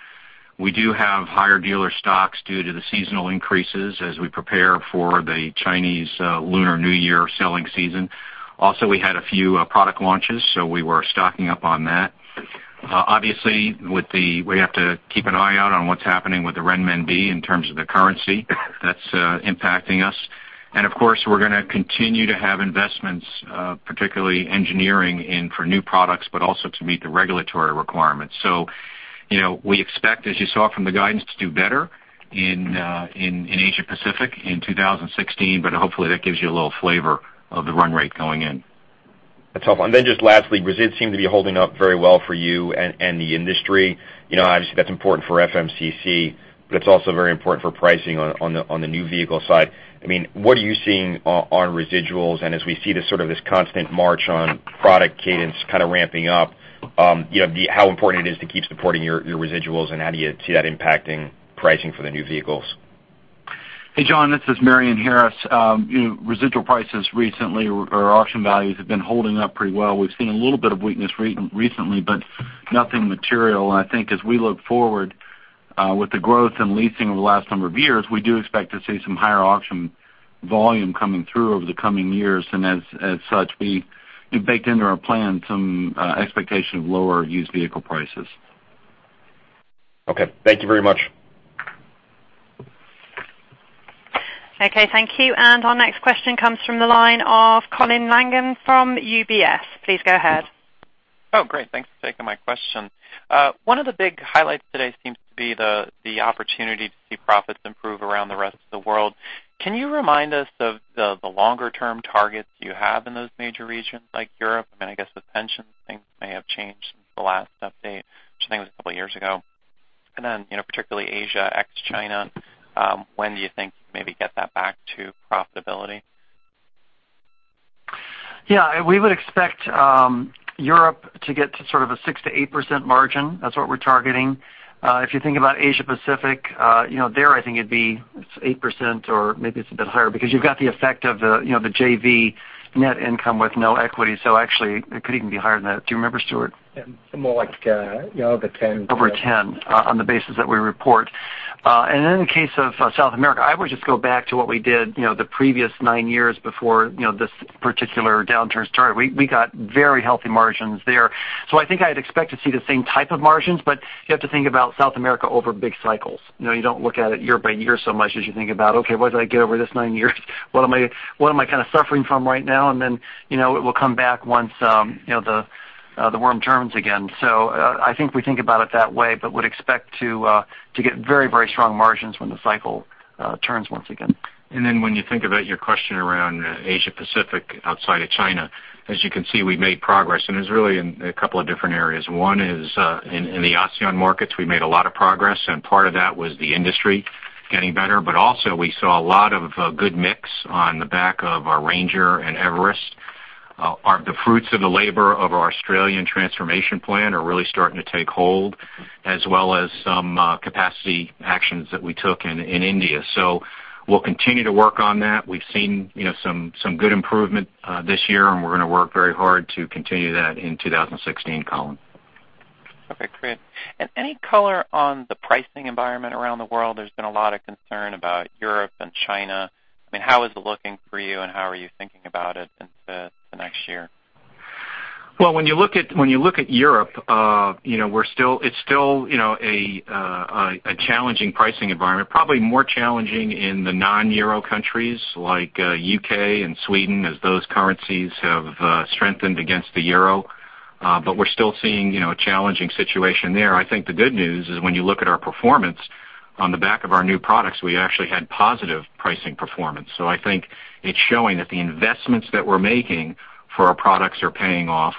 S3: we do have higher dealer stocks due to the seasonal increases as we prepare for the Chinese Lunar New Year selling season. We had a few product launches, so we were stocking up on that. Obviously, we have to keep an eye out on what's happening with the renminbi in terms of the currency that's impacting us. Of course, we're going to continue to have investments, particularly engineering in for new products, but also to meet the regulatory requirements. We expect, as you saw from the guidance, to do better in Asia Pacific in 2016, but hopefully that gives you a little flavor of the run rate going in.
S5: That's helpful. Just lastly, residuals seem to be holding up very well for you and the industry. Obviously, that's important for FMCC, but it's also very important for pricing on the new vehicle side. What are you seeing on residuals and as we see this constant march on product cadence kind of ramping up, how important it is to keep supporting your residuals and how do you see that impacting pricing for the new vehicles?
S6: Hey, John, this is Marion Harris. Residual prices recently, or auction values, have been holding up pretty well. We've seen a little bit of weakness recently, but nothing material. I think as we look forward with the growth in leasing over the last number of years, we do expect to see some higher auction volume coming through over the coming years. As such, we've baked into our plan some expectation of lower used vehicle prices.
S5: Okay. Thank you very much.
S1: Okay, thank you. Our next question comes from the line of Colin Langan from UBS. Please go ahead.
S7: Great. Thanks for taking my question. One of the big highlights today seems to be the opportunity to see profits improve around the rest of the world. Can you remind us of the longer-term targets you have in those major regions like Europe? I guess with pension, things may have changed since the last update, which I think was a couple of years ago. Then, particularly Asia ex China, when do you think you maybe get that back to profitability?
S4: Yeah. We would expect Europe to get to sort of a 6%-8% margin. That's what we're targeting. If you think about Asia Pacific, there I think it'd be 8% or maybe it's a bit higher because you've got the effect of the JV net income with no equity. Actually, it could even be higher than that. Do you remember, Stuart?
S3: More like over 10.
S4: Over 10 on the basis that we report. In the case of South America, I would just go back to what we did the previous nine years before this particular downturn started. We got very healthy margins there. I think I'd expect to see the same type of margins, you have to think about South America over big cycles. You don't look at it year by year so much as you think about, okay, what did I get over this nine years? What am I kind of suffering from right now? It will come back once the worm turns again. I think we think about it that way, would expect to get very strong margins when the cycle turns once again.
S3: When you think about your question around Asia Pacific outside of China, as you can see, we made progress and it's really in a couple of different areas. One is in the ASEAN markets, we made a lot of progress and part of that was the industry getting better. We saw a lot of good mix on the back of our Ranger and Everest. The fruits of the labor of our Australian transformation plan are really starting to take hold as well as some capacity actions that we took in India. We'll continue to work on that. We've seen some good improvement this year, and we're going to work very hard to continue that in 2016, Colin.
S7: Okay, great. Any color on the pricing environment around the world? There's been a lot of concern about Europe and China. How is it looking for you and how are you thinking about it into the next year?
S3: Well, when you look at Europe, it's still a challenging pricing environment. Probably more challenging in the non-euro countries like U.K. and Sweden, as those currencies have strengthened against the euro. We're still seeing a challenging situation there. I think the good news is when you look at our performance on the back of our new products, we actually had positive pricing performance. I think it's showing that the investments that we're making for our products are paying off.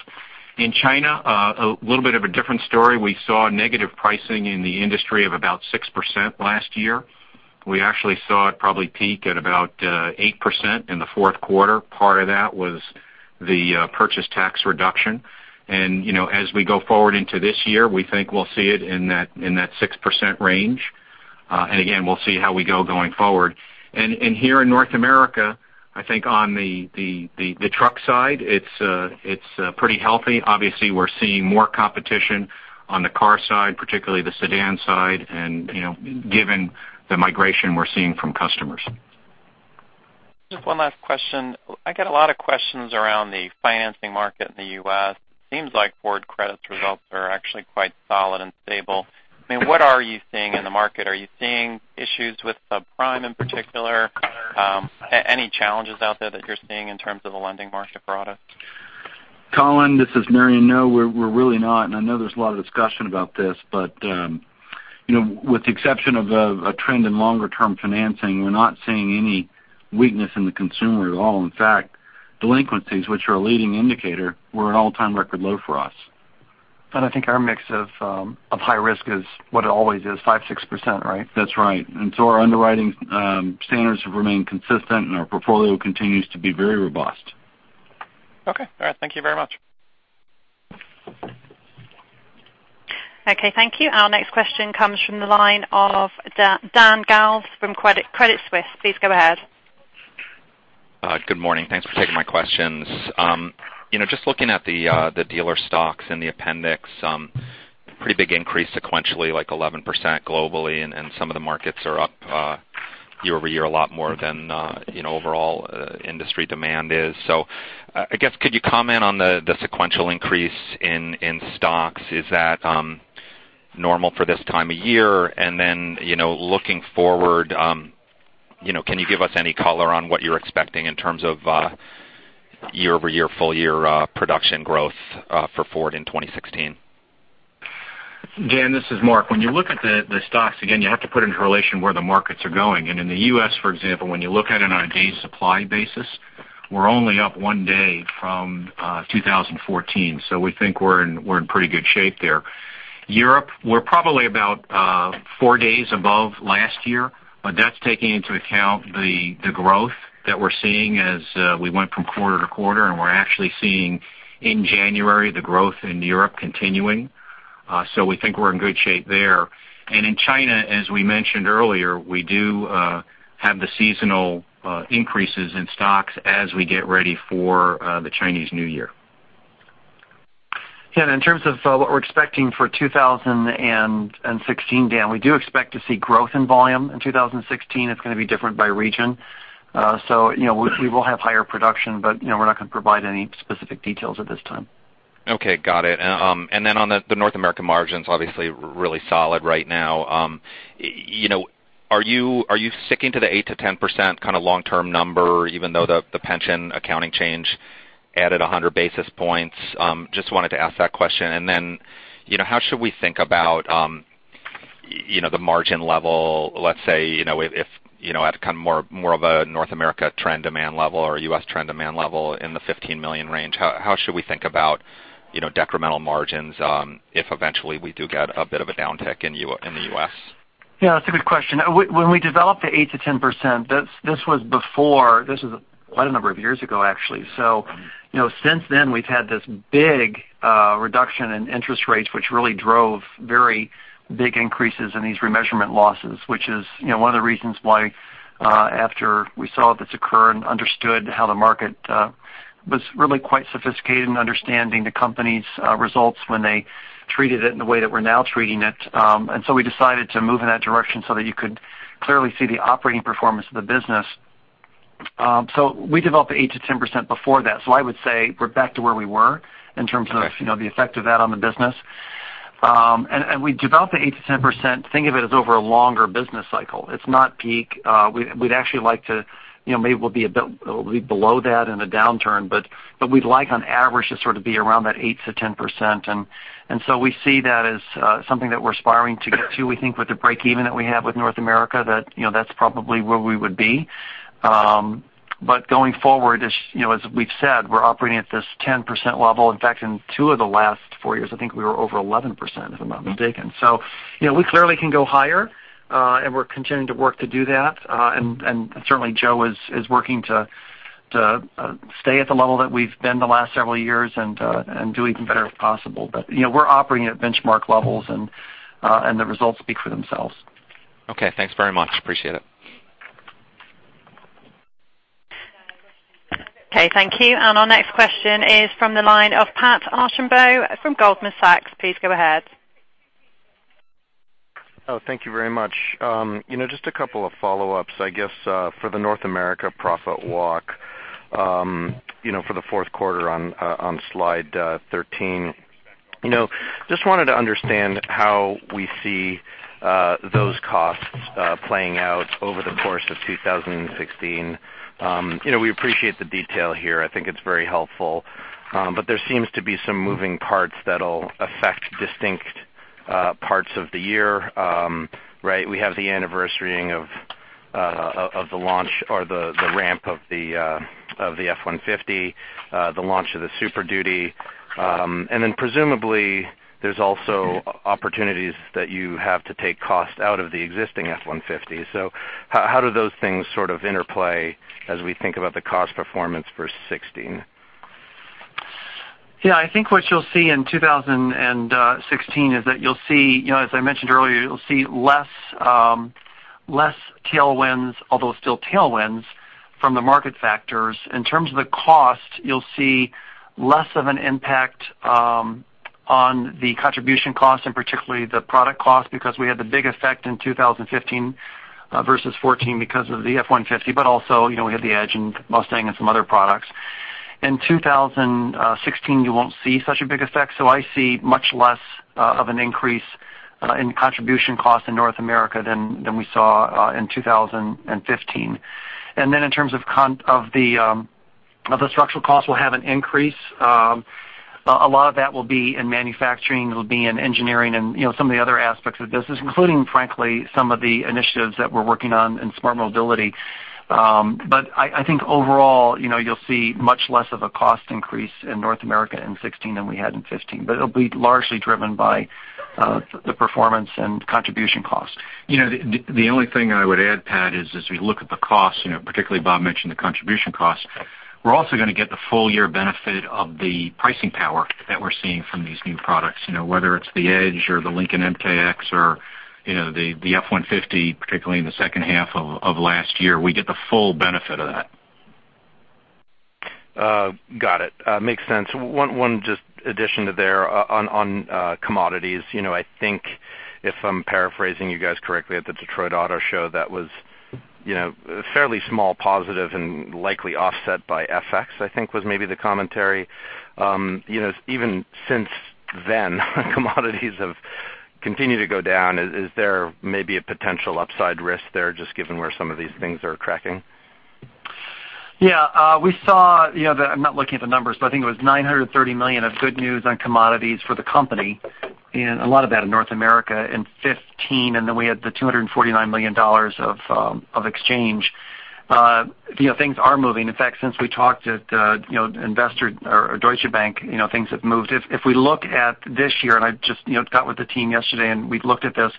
S3: In China, a little bit of a different story. We saw negative pricing in the industry of about 6% last year. We actually saw it probably peak at about 8% in the fourth quarter. Part of that was the purchase tax reduction. As we go forward into this year, we think we'll see it in that 6% range. Again, we'll see how we go going forward. Here in North America, I think on the truck side, it's pretty healthy. Obviously, we're seeing more competition on the car side, particularly the sedan side, given the migration we're seeing from customers.
S7: Just one last question. I get a lot of questions around the financing market in the U.S. It seems like Ford Credit's results are actually quite solid and stable. What are you seeing in the market? Are you seeing issues with subprime in particular? Any challenges out there that you're seeing in terms of the lending market for autos?
S6: Colin, this is Marion. No, we're really not. I know there's a lot of discussion about this, but with the exception of a trend in longer-term financing, we're not seeing any weakness in the consumer at all. In fact, delinquencies, which are a leading indicator, were an all-time record low for us.
S3: I think our mix of high risk is what it always is, 5%, 6%, right?
S6: That's right. Our underwriting standards have remained consistent, and our portfolio continues to be very robust.
S7: Okay. All right. Thank you very much.
S1: Okay, thank you. Our next question comes from the line of Dan Galves from Credit Suisse. Please go ahead.
S8: Good morning. Thanks for taking my questions. Just looking at the dealer stocks in the appendix, pretty big increase sequentially, like 11% globally, and some of the markets are up year-over-year a lot more than overall industry demand is. I guess could you comment on the sequential increase in stocks? Is that normal for this time of year? Looking forward, can you give us any color on what you're expecting in terms of year-over-year, full-year production growth for Ford in 2016?
S3: Dan, this is Mark. When you look at the stocks, again, you have to put into relation where the markets are going. In the U.S., for example, when you look at it on a days supply basis, we're only up one day from 2014. We think we're in pretty good shape there. Europe, we're probably about four days above last year, but that's taking into account the growth that we're seeing as we went from quarter-to-quarter, and we're actually seeing in January the growth in Europe continuing. We think we're in good shape there. In China, as we mentioned earlier, we do have the seasonal increases in stocks as we get ready for the Chinese New Year. In terms of what we're expecting for 2016, Dan, we do expect to see growth in volume in 2016. It's going to be different by region. We will have higher production, but we're not going to provide any specific details at this time.
S8: Okay. Got it. On the North American margins, obviously really solid right now. Are you sticking to the 8%-10% kind of long-term number, even though the pension accounting change added 100 basis points? Just wanted to ask that question. How should we think about the margin level, let's say, at kind of more of a North America trend demand level or a U.S. trend demand level in the 15 million range. How should we think about decremental margins if eventually we do get a bit of a downtick in the U.S.?
S3: Yeah, that's a good question. When we developed the 8%-10%, this was quite a number of years ago, actually. Since then, we've had this big reduction in interest rates, which really drove very big increases in these remeasurement losses, which is one of the reasons why after we saw this occur and understood how the market was really quite sophisticated in understanding the company's results when they treated it in the way that we're now treating it. We decided to move in that direction so that you could clearly see the operating performance of the business. We developed the 8%-10% before that. I would say we're back to where we were in terms of the effect of that on the business. We developed the 8%-10%, think of it as over a longer business cycle. It's not peak. We'd actually like maybe we'll be below that in a downturn, but we'd like on average to sort of be around that 8%-10%. We see that as something that we're aspiring to get to. We think with the break-even that we have with North America, that's probably where we would be. Going forward, as we've said, we're operating at this 10% level. In fact, in two of the last four years, I think we were over 11%, if I'm not mistaken. We clearly can go higher, and we're continuing to work to do that. Certainly Joe is working to
S4: To stay at the level that we've been the last several years and do even better if possible. We're operating at benchmark levels and the results speak for themselves.
S8: Okay, thanks very much. Appreciate it.
S1: Okay, thank you. Our next question is from the line of Patrick Archambault from Goldman Sachs. Please go ahead.
S9: Thank you very much. Just a couple of follow-ups, I guess, for the North America profit walk for the fourth quarter on slide 13. Just wanted to understand how we see those costs playing out over the course of 2016. We appreciate the detail here. I think it's very helpful. There seems to be some moving parts that'll affect distinct parts of the year. We have the anniversaring of the launch or the ramp of the F-150, the launch of the Super Duty. Then presumably, there's also opportunities that you have to take cost out of the existing F-150. How do those things sort of interplay as we think about the cost performance for 2016?
S3: Yeah, I think what you'll see in 2016 is that you'll see, as I mentioned earlier, you'll see less tailwinds, although still tailwinds from the market factors. In terms of the cost, you'll see less of an impact on the contribution cost and particularly the product cost because we had the big effect in 2015 versus 2014 because of the F-150, but also, we had the Edge and Mustang and some other products. In 2016, you won't see such a big effect, so I see much less of an increase in contribution cost in North America than we saw in 2015. Then in terms of the structural cost, we'll have an increase. A lot of that will be in manufacturing, it'll be in engineering and some of the other aspects of the business, including, frankly, some of the initiatives that we're working on in Smart Mobility. I think overall, you'll see much less of a cost increase in North America in 2016 than we had in 2015. It'll be largely driven by the performance and contribution cost. The only thing I would add, Pat, is as we look at the cost, particularly Bob mentioned the contribution cost, we're also going to get the full year benefit of the pricing power that we're seeing from these new products. Whether it's the Edge or the Lincoln MKX or the F-150, particularly in the second half of last year, we get the full benefit of that.
S9: Got it. Makes sense. One just addition to there on commodities. I think if I'm paraphrasing you guys correctly at the Detroit Auto Show, that was a fairly small positive and likely offset by FX, I think was maybe the commentary. Even since then, commodities have continued to go down. Is there maybe a potential upside risk there just given where some of these things are tracking?
S4: Yeah. I'm not looking at the numbers, but I think it was $930 million of good news on commodities for the company and a lot of that in North America in 2015 and then we had the $249 million of exchange. Things are moving. In fact, since we talked at Deutsche Bank things have moved. If we look at this year, and I just got with the team yesterday and we've looked at this,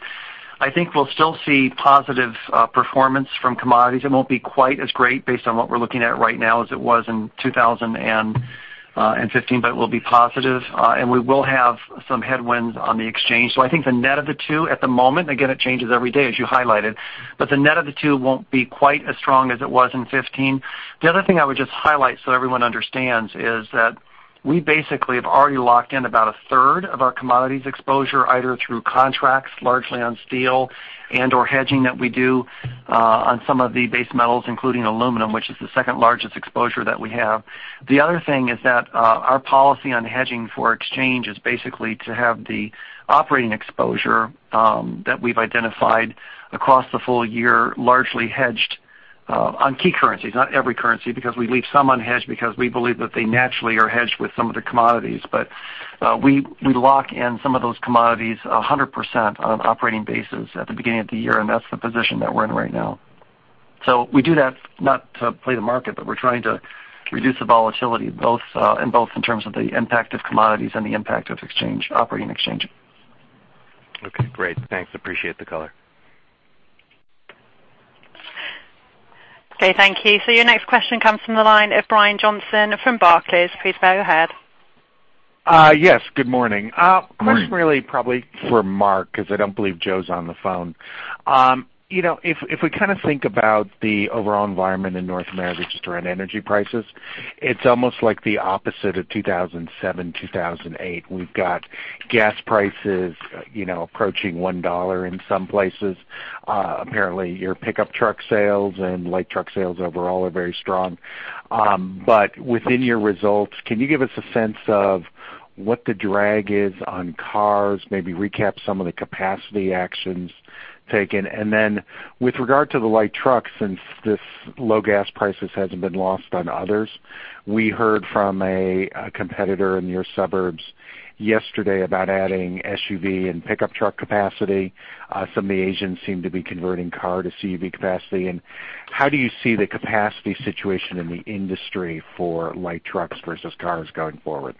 S4: I think we'll still see positive performance from commodities. It won't be quite as great based on what we're looking at right now as it was in 2015, but it will be positive. We will have some headwinds on the exchange. I think the net of the two at the moment, again, it changes every day as you highlighted, but the net of the two won't be quite as strong as it was in 2015. The other thing I would just highlight so everyone understands is that we basically have already locked in about a third of our commodities exposure, either through contracts largely on steel and/or hedging that we do on some of the base metals, including aluminum, which is the second largest exposure that we have. The other thing is that our policy on hedging for exchange is basically to have the operating exposure that we've identified across the full year largely hedged on key currencies, not every currency because we leave some unhedged because we believe that they naturally are hedged with some of the commodities. We lock in some of those commodities 100% on an operating basis at the beginning of the year and that's the position that we're in right now. We do that not to play the market, but we're trying to reduce the volatility in both in terms of the impact of commodities and the impact of operating exchange.
S9: Okay, great. Thanks. Appreciate the color.
S1: Thank you. Your next question comes from the line of Brian Johnson from Barclays. Please go ahead.
S10: Yes, good morning.
S4: Good morning.
S10: Question really probably for Mark because I don't believe Joe's on the phone. If we kind of think about the overall environment in North America just around energy prices, it's almost like the opposite of 2007, 2008. We've got gas prices approaching $1 in some places. Apparently, your pickup truck sales and light truck sales overall are very strong. Within your results, can you give us a sense of what the drag is on cars? Maybe recap some of the capacity actions taken. With regard to the light trucks, since this low gas prices hasn't been lost on others, we heard from a competitor in your suburbs yesterday about adding SUV and pickup truck capacity. Some of the Asians seem to be converting car to CUV capacity. How do you see the capacity situation in the industry for light trucks versus cars going forward?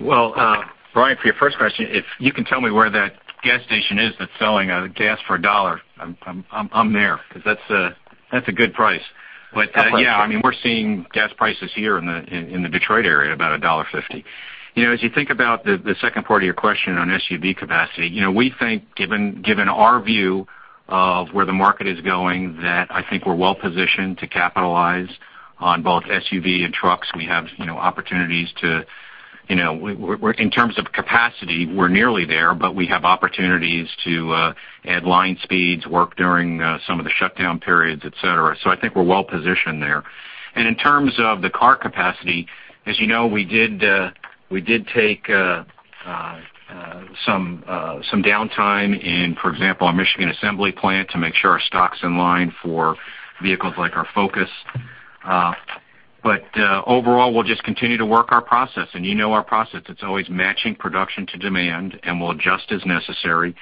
S3: Well, Brian, for your first question, if you can tell me where that gas station is that's selling gas for a dollar, I'm there, because that's a good price. Yeah, we're seeing gas prices here in the Detroit area about $1.50. As you think about the second part of your question on SUV capacity, we think given our view of where the market is going, that I think we're well-positioned to capitalize on both SUV and trucks. In terms of capacity, we're nearly there, but we have opportunities to add line speeds, work during some of the shutdown periods, et cetera. I think we're well-positioned there. In terms of the car capacity, as you know, we did take some downtime in, for example, our Michigan Assembly plant to make sure our stock's in line for vehicles like our Focus. Overall, we'll just continue to work our process, and you know our process. It's always matching production to demand, and we'll adjust as necessary.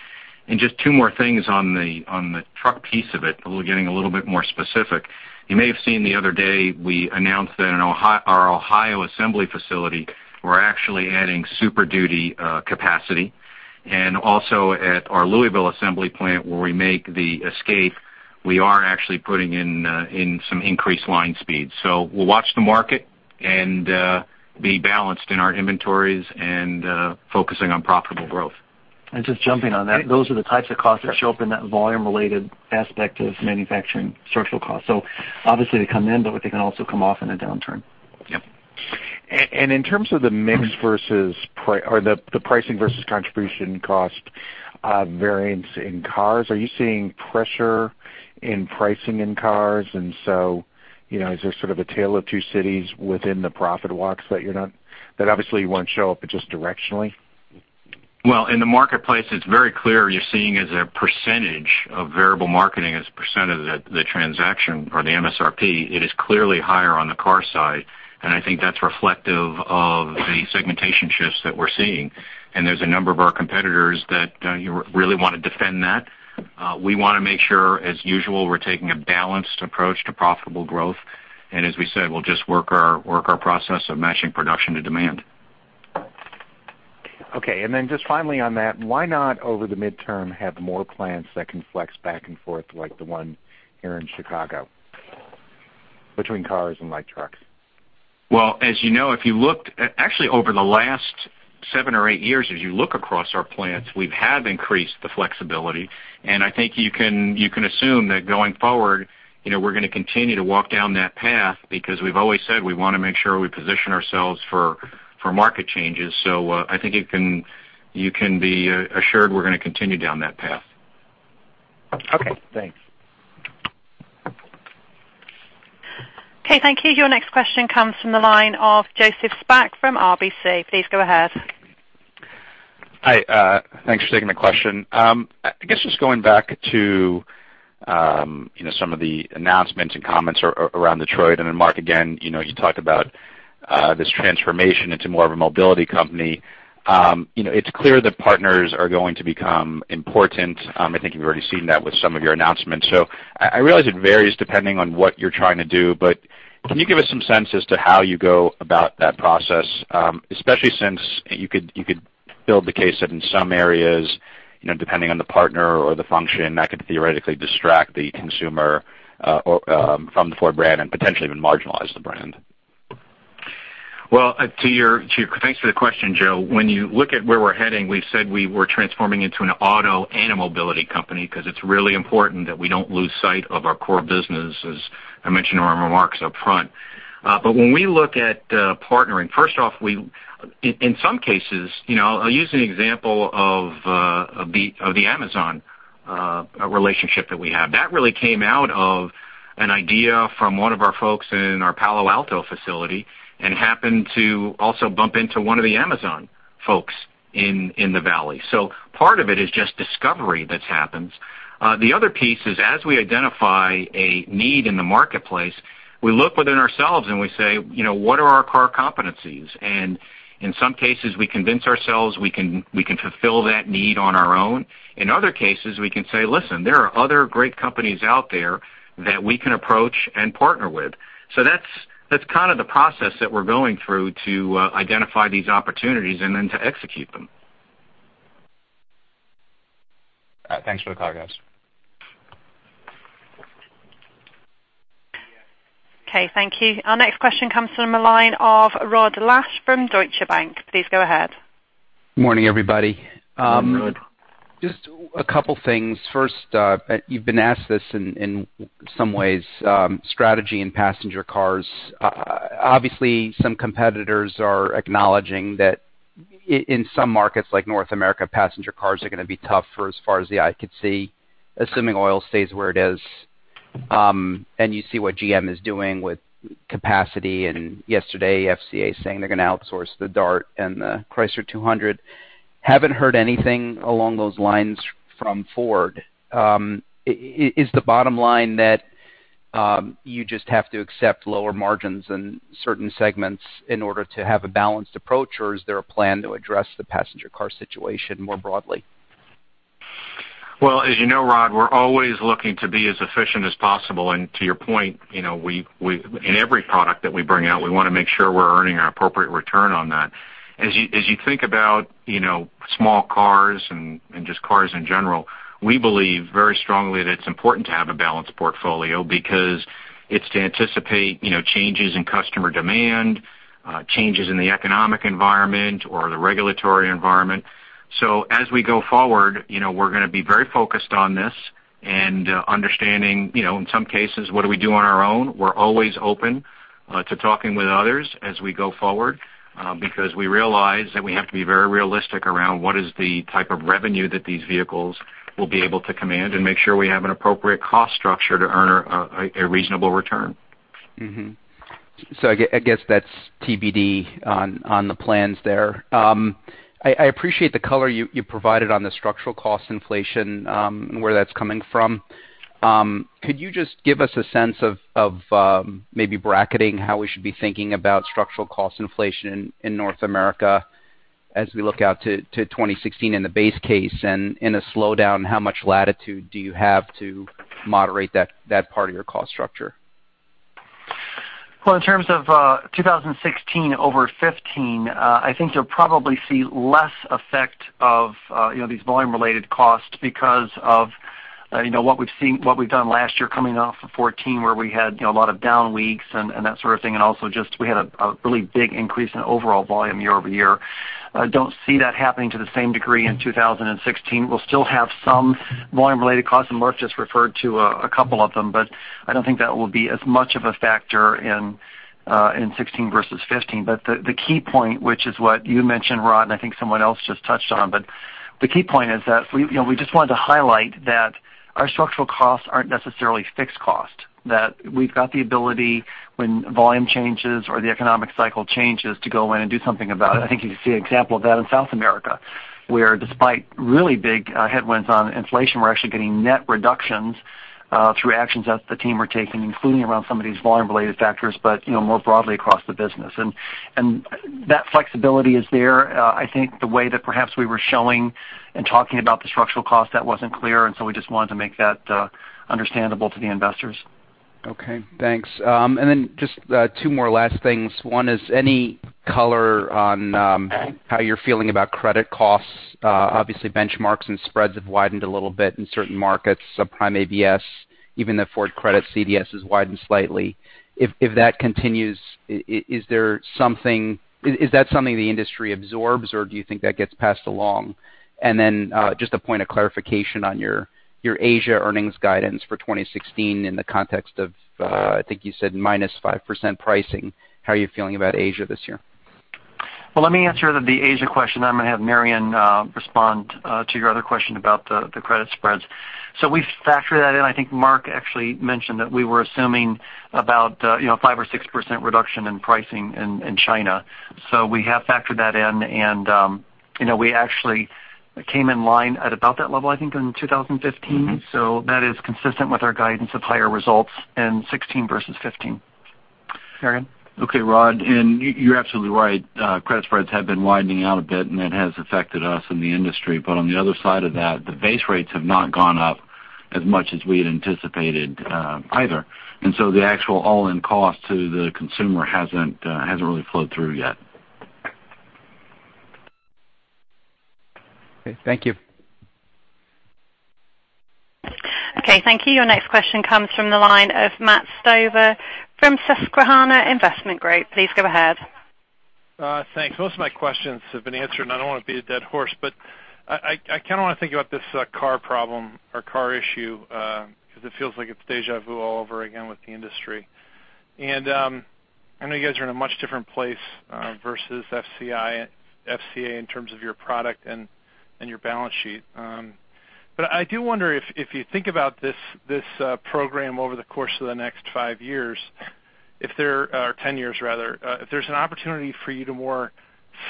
S3: Just two more things on the truck piece of it, getting a little bit more specific. You may have seen the other day, we announced that in our Ohio Assembly facility, we're actually adding Super Duty capacity. Also at our Louisville Assembly plant, where we make the Escape, we are actually putting in some increased line speed. We'll watch the market and be balanced in our inventories and focusing on profitable growth.
S4: Just jumping on that, those are the types of costs that show up in that volume-related aspect of manufacturing structural costs. Obviously they come in, but they can also come off in a downturn.
S3: Yep.
S10: In terms of the pricing versus contribution cost variance in cars, are you seeing pressure in pricing in cars? Is there sort of a tale of two cities within the profit walks that obviously won't show up, but just directionally?
S3: Well, in the marketplace, it's very clear. You're seeing as a percentage of variable marketing, as a percent of the transaction or the MSRP, it is clearly higher on the car side, and I think that's reflective of the segmentation shifts that we're seeing. There's a number of our competitors that really want to defend that. We want to make sure, as usual, we're taking a balanced approach to profitable growth. As we said, we'll just work our process of matching production to demand.
S10: Okay, just finally on that, why not over the midterm have more plants that can flex back and forth like the one here in Chicago between cars and light trucks?
S3: Well, as you know, if you looked, actually over the last seven or eight years, as you look across our plants, we have increased the flexibility. I think you can assume that going forward, we're going to continue to walk down that path because we've always said we want to make sure we position ourselves for market changes. I think you can be assured we're going to continue down that path.
S10: Okay, thanks.
S1: Okay, thank you. Your next question comes from the line of Joseph Spak from RBC. Please go ahead.
S11: Hi, thanks for taking the question. I guess just going back to some of the announcements and comments around Detroit, then Mark, again, you talk about this transformation into more of a mobility company. It's clear that partners are going to become important. I think you've already seen that with some of your announcements. I realize it varies depending on what you're trying to do, but can you give us some sense as to how you go about that process? Especially since you could build the case that in some areas, depending on the partner or the function, that could theoretically distract the consumer from the Ford brand and potentially even marginalize the brand.
S3: Well, thanks for the question, Joe. When you look at where we're heading, we've said we were transforming into an auto and a mobility company because it's really important that we don't lose sight of our core business, as I mentioned in my remarks up front. When we look at partnering, first off, in some cases, I'll use the example of the Amazon relationship that we have. That really came out of an idea from one of our folks in our Palo Alto facility and happened to also bump into one of the Amazon folks in the valley. Part of it is just discovery that happens. The other piece is as we identify a need in the marketplace, we look within ourselves and we say, "What are our core competencies?" In some cases, we convince ourselves we can fulfill that need on our own. In other cases, we can say, "Listen, there are other great companies out there that we can approach and partner with." That's kind of the process that we're going through to identify these opportunities and then to execute them.
S11: Thanks for the call, guys.
S1: Okay, thank you. Our next question comes from the line of Rod Lache from Deutsche Bank. Please go ahead.
S12: Morning, everybody.
S3: Morning, Rod.
S12: Just a couple things. First, you've been asked this in some ways, strategy in passenger cars. Obviously, some competitors are acknowledging that in some markets like North America, passenger cars are going to be tough for as far as the eye could see, assuming oil stays where it is. You see what GM is doing with capacity, and yesterday, FCA saying they're going to outsource the Dart and the Chrysler 200. Haven't heard anything along those lines from Ford. Is the bottom line that you just have to accept lower margins in certain segments in order to have a balanced approach, or is there a plan to address the passenger car situation more broadly?
S3: Well, as you know, Rod, we're always looking to be as efficient as possible. To your point, in every product that we bring out, we want to make sure we're earning our appropriate return on that. As you think about small cars and just cars in general, we believe very strongly that it's important to have a balanced portfolio because it's to anticipate changes in customer demand, changes in the economic environment or the regulatory environment. As we go forward, we're going to be very focused on this and understanding, in some cases, what do we do on our own. We're always open to talking with others as we go forward because we realize that we have to be very realistic around what is the type of revenue that these vehicles will be able to command and make sure we have an appropriate cost structure to earn a reasonable return.
S12: Mm-hmm. I guess that's TBD on the plans there. I appreciate the color you provided on the structural cost inflation and where that's coming from. Could you just give us a sense of maybe bracketing how we should be thinking about structural cost inflation in North America as we look out to 2016 in the base case and in a slowdown, how much latitude do you have to moderate that part of your cost structure?
S4: Well, in terms of 2016 over 2015, I think you'll probably see less effect of these volume-related costs because of what we've done last year coming off of 2014, where we had a lot of down weeks and that sort of thing, and also just we had a really big increase in overall volume year-over-year. I don't see that happening to the same degree in 2016. We'll still have some volume-related costs, and Mark just referred to a couple of them, but I don't think that will be as much of a factor in 2016 versus 2015. The key point, which is what you mentioned, Rod, and I think someone else just touched on, the key point is that we just wanted to highlight that our structural costs aren't necessarily fixed costs, that we've got the ability when volume changes or the economic cycle changes to go in and do something about it. I think you can see an example of that in South America, where despite really big headwinds on inflation, we're actually getting net reductions through actions that the team are taking, including around some of these volume-related factors, but more broadly across the business. That flexibility is there. I think the way that perhaps we were showing and talking about the structural cost, that wasn't clear, we just wanted to make that understandable to the investors.
S12: Okay, thanks. Just two more last things. One is any color on how you're feeling about credit costs. Obviously benchmarks and spreads have widened a little bit in certain markets, subprime ABS, even the Ford Credit CDS has widened slightly. If that continues, is that something the industry absorbs or do you think that gets passed along? Just a point of clarification on your Asia earnings guidance for 2016 in the context of, I think you said minus 5% pricing. How are you feeling about Asia this year?
S4: Let me answer the Asia question, then I'm going to have Marion respond to your other question about the credit spreads. We've factored that in. I think Mark actually mentioned that we were assuming about 5% or 6% reduction in pricing in China. We have factored that in and we actually came in line at about that level, I think, in 2015. That is consistent with our guidance of higher results in 2016 versus 2015. Marion.
S6: Okay, Rod, you're absolutely right. Credit spreads have been widening out a bit, and that has affected us and the industry. On the other side of that, the base rates have not gone up as much as we had anticipated either. The actual all-in cost to the consumer hasn't really flowed through yet.
S12: Okay, thank you.
S1: Okay, thank you. Your next question comes from the line of Matthew Stover from Susquehanna Investment Group. Please go ahead.
S13: Thanks. Most of my questions have been answered, and I don't want to beat a dead horse, but I kind of want to think about this car problem or car issue because it feels like it's deja vu all over again with the industry. I know you guys are in a much different place versus FCA in terms of your product and your balance sheet. I do wonder if you think about this program over the course of the next five years, or 10 years rather, if there's an opportunity for you to more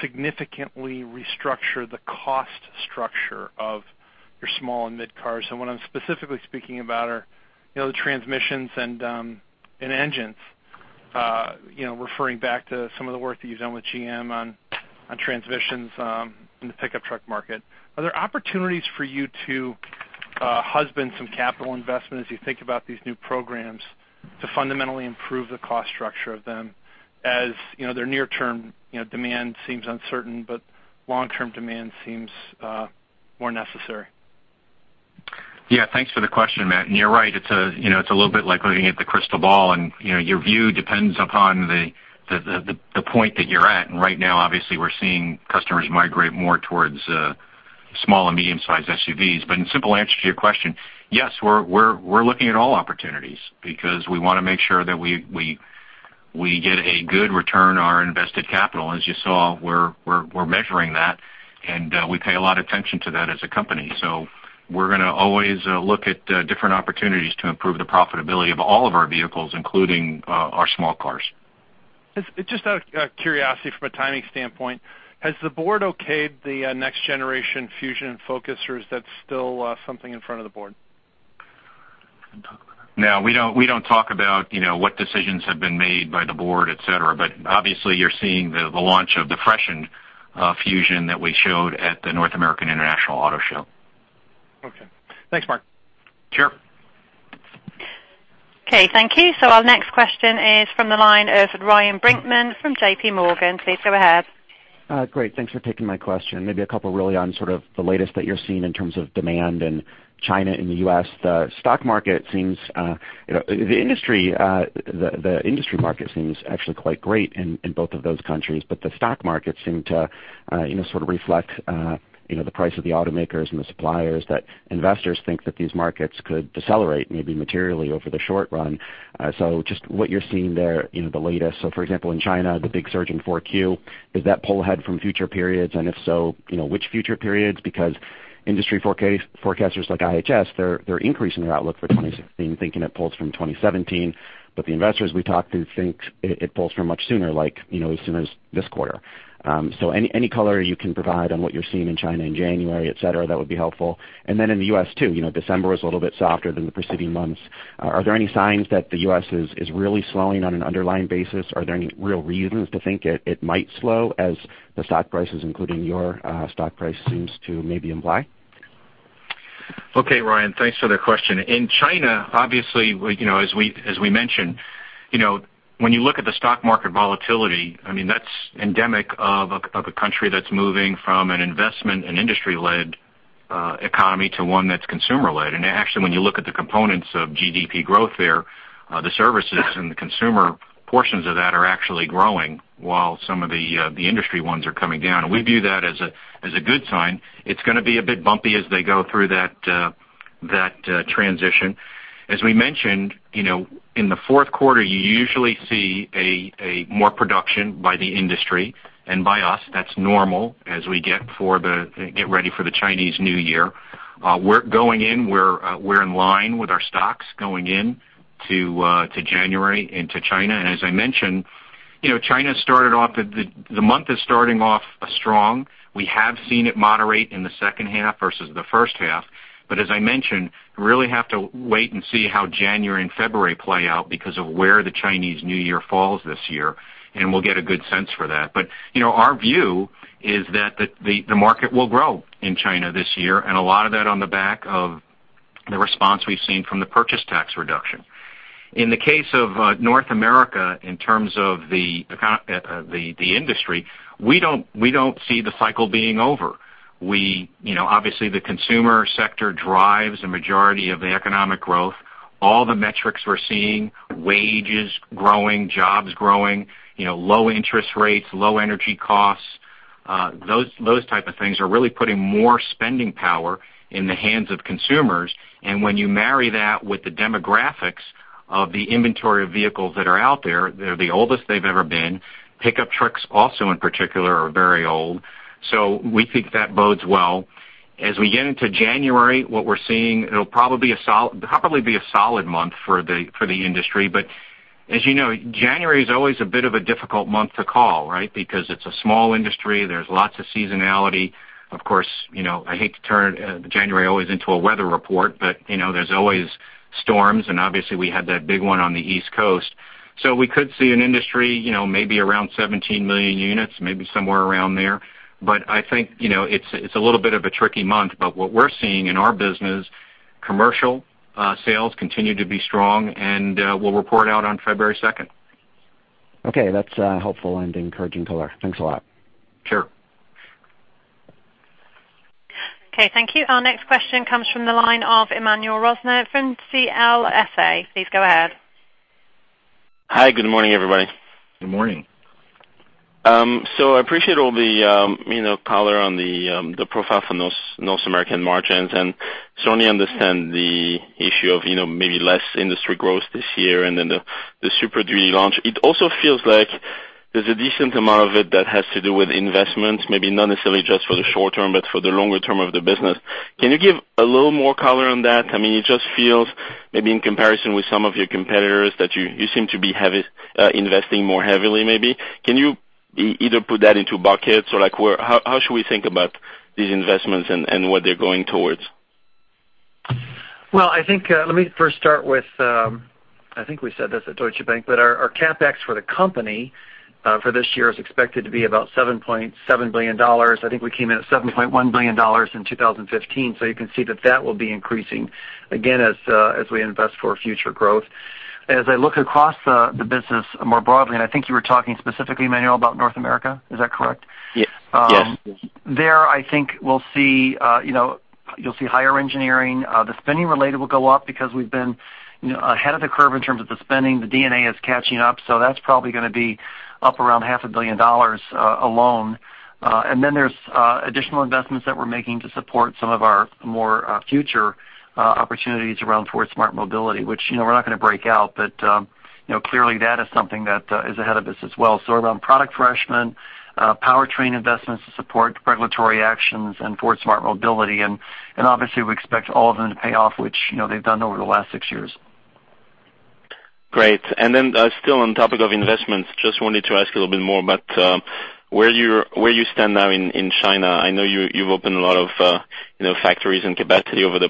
S13: significantly restructure the cost structure of your small and mid cars. What I'm specifically speaking about are the transmissions and engines, referring back to some of the work that you've done with GM on transmissions in the pickup truck market. Are there opportunities for you to husband some capital investment as you think about these new programs to fundamentally improve the cost structure of them as their near-term demand seems uncertain, but long-term demand seems more necessary?
S3: Yeah, thanks for the question, Matt. You're right. It's a little bit like looking at the crystal ball and your view depends upon the point that you're at. Right now, obviously, we're seeing customers migrate more towards small and medium-sized SUVs. In simple answer to your question, yes, we're looking at all opportunities because we want to make sure that we get a good return on our invested capital. As you saw, we're measuring that, and we pay a lot of attention to that as a company. We're going to always look at different opportunities to improve the profitability of all of our vehicles, including our small cars.
S13: Just out of curiosity, from a timing standpoint, has the board okayed the next generation Fusion and Focus, or is that still something in front of the board?
S3: No, we don't talk about what decisions have been made by the board, et cetera. Obviously you're seeing the launch of the freshened Fusion that we showed at the North American International Auto Show.
S4: Okay. Thanks, Mark.
S3: Sure.
S1: Okay, thank you. Our next question is from the line of Ryan Brinkman from J.P. Morgan. Please go ahead.
S14: Great. Thanks for taking my question. Maybe a couple really on sort of the latest that you're seeing in terms of demand in China and the U.S. The industry market seems actually quite great in both of those countries, but the stock market seem to sort of reflect the price of the automakers and the suppliers that investors think that these markets could decelerate, maybe materially over the short run. Just what you're seeing there, the latest, for example, in China, the big surge in 4Q, is that pull ahead from future periods? And if so, which future periods? Because industry forecasters like IHS, they're increasing their outlook for 2016, thinking it pulls from 2017. But the investors we talked to think it pulls from much sooner, like as soon as this quarter. Any color you can provide on what you're seeing in China in January, et cetera, that would be helpful. In the U.S. too, December was a little bit softer than the preceding months. Are there any signs that the U.S. is really slowing on an underlying basis? Are there any real reasons to think it might slow as the stock prices, including your stock price seems to maybe imply?
S3: Okay, Ryan, thanks for the question. In China, obviously, as we mentioned, when you look at the stock market volatility, that's endemic of a country that's moving from an investment and industry-led economy to one that's consumer-led. When you look at the components of GDP growth there, the services and the consumer portions of that are actually growing while some of the industry ones are coming down. We view that as a good sign. It's going to be a bit bumpy as they go through that transition. As we mentioned, in the fourth quarter, you usually see more production by the industry and by us. That's normal as we get ready for the Chinese New Year. Going in, we're in line with our stocks going in to January into China. As I mentioned, the month is starting off strong. We have seen it moderate in the second half versus the first half. As I mentioned, we really have to wait and see how January and February play out because of where the Chinese New Year falls this year, and we'll get a good sense for that. Our view is that the market will grow in China this year, and a lot of that on the back of the response we've seen from the purchase tax reduction. In the case of North America, in terms of the industry, we don't see the cycle being over. Obviously, the consumer sector drives a majority of the economic growth. All the metrics we're seeing, wages growing, jobs growing, low interest rates, low energy costs, those type of things are really putting more spending power in the hands of consumers. When you marry that with the demographics of the inventory of vehicles that are out there, they're the oldest they've ever been. Pickup trucks also in particular are very old. We think that bodes well. As we get into January, what we're seeing, it'll probably be a solid month for the industry, as you know, January is always a bit of a difficult month to call, right? Because it's a small industry. There's lots of seasonality. I hate to turn January always into a weather report, there's always storms, and obviously we had that big one on the East Coast. We could see an industry maybe around 17 million units, maybe somewhere around there. I think it's a little bit of a tricky month, but what we're seeing in our business, commercial sales continue to be strong, and we'll report out on February 2nd.
S14: Okay. That's helpful and encouraging color. Thanks a lot.
S3: Sure.
S1: Okay, thank you. Our next question comes from the line of Emmanuel Rosner from CLSA. Please go ahead.
S15: Hi. Good morning, everybody.
S3: Good morning.
S15: I appreciate all the color on the profile for North American margins, and certainly understand the issue of maybe less industry growth this year and then the Super Duty launch. It also feels like there's a decent amount of it that has to do with investments, maybe not necessarily just for the short term, but for the longer term of the business. Can you give a little more color on that? It just feels maybe in comparison with some of your competitors, that you seem to be investing more heavily, maybe. Can you either put that into buckets or how should we think about these investments and what they're going towards?
S4: Let me first start with, I think we said this at Deutsche Bank, our CapEx for the company for this year is expected to be about $7.7 billion. I think we came in at $7.1 billion in 2015, you can see that that will be increasing again as we invest for future growth. As I look across the business more broadly, and I think you were talking specifically, Emmanuel, about North America, is that correct?
S15: Yes.
S4: I think you'll see higher engineering. The spending related will go up because we've been ahead of the curve in terms of the spending. The D&A is catching up, that's probably going to be up around half a billion dollars alone. Then there's additional investments that we're making to support some of our more future opportunities around Ford Smart Mobility, which we're not going to break out. Clearly that is something that is ahead of us as well. Around product refreshment, powertrain investments to support regulatory actions and Ford Smart Mobility, and obviously we expect all of them to pay off, which they've done over the last six years.
S15: Great. Still on topic of investments, just wanted to ask a little bit more about where you stand now in China. I know you've opened a lot of factories and capacity over the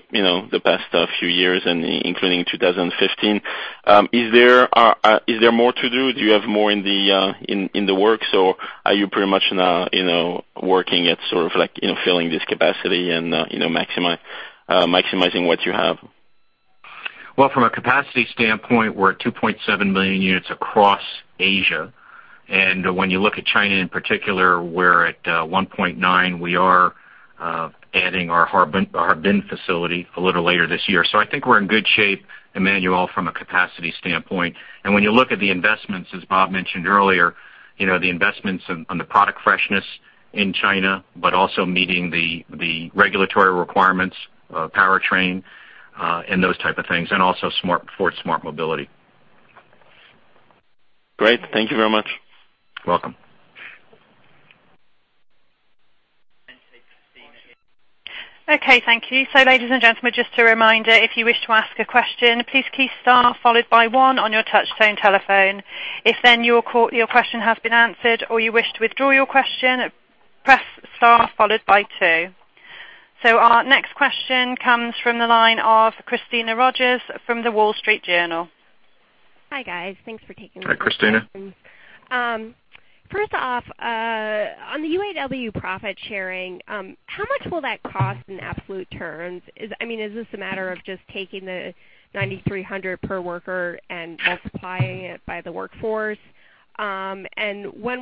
S15: past few years, including 2015. Is there more to do? Do you have more in the works, or are you pretty much now working at filling this capacity and maximizing what you have?
S3: Well, from a capacity standpoint, we're at 2.7 million units across Asia. When you look at China in particular, we're at 1.9. We are adding our Harbin facility a little later this year. I think we're in good shape, Emmanuel, from a capacity standpoint. When you look at the investments, as Bob mentioned earlier, the investments on the product freshness in China, also meeting the regulatory requirements, powertrain, and those type of things, also Ford Smart Mobility.
S15: Great. Thank you very much.
S3: You're welcome.
S1: Okay, thank you. Ladies and gentlemen, just a reminder, if you wish to ask a question, please key star followed by one on your touchtone telephone. If your question has been answered or you wish to withdraw your question, press star followed by two. Our next question comes from the line of Christina Rogers from The Wall Street Journal.
S16: Hi, guys. Thanks for taking my questions.
S3: Hi, Christina.
S16: First off, on the UAW profit-sharing, how much will that cost in absolute terms? Is this a matter of just taking the $9,300 per worker and multiplying it by the workforce? When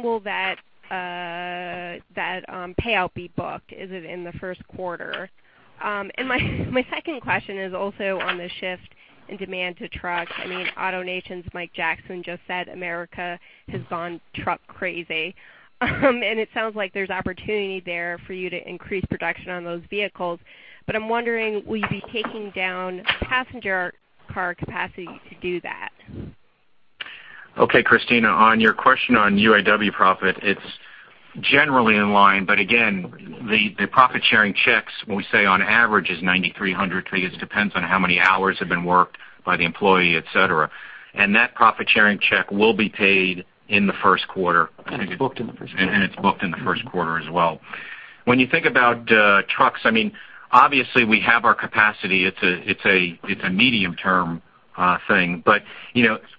S16: will that payout be booked? Is it in the first quarter? My second question is also on the shift in demand to trucks. AutoNation's Mike Jackson just said America has gone truck crazy. It sounds like there's opportunity there for you to increase production on those vehicles. I'm wondering, will you be taking down passenger car capacity to do that?
S3: Okay, Christina, on your question on UAW profit, it's generally in line, but again, the profit-sharing checks, when we say on average is $9,300, because it depends on how many hours have been worked by the employee, et cetera. That profit-sharing check will be paid in the first quarter.
S4: It's booked in the first quarter.
S3: It's booked in the first quarter as well. When you think about trucks, obviously we have our capacity. It's a medium-term thing.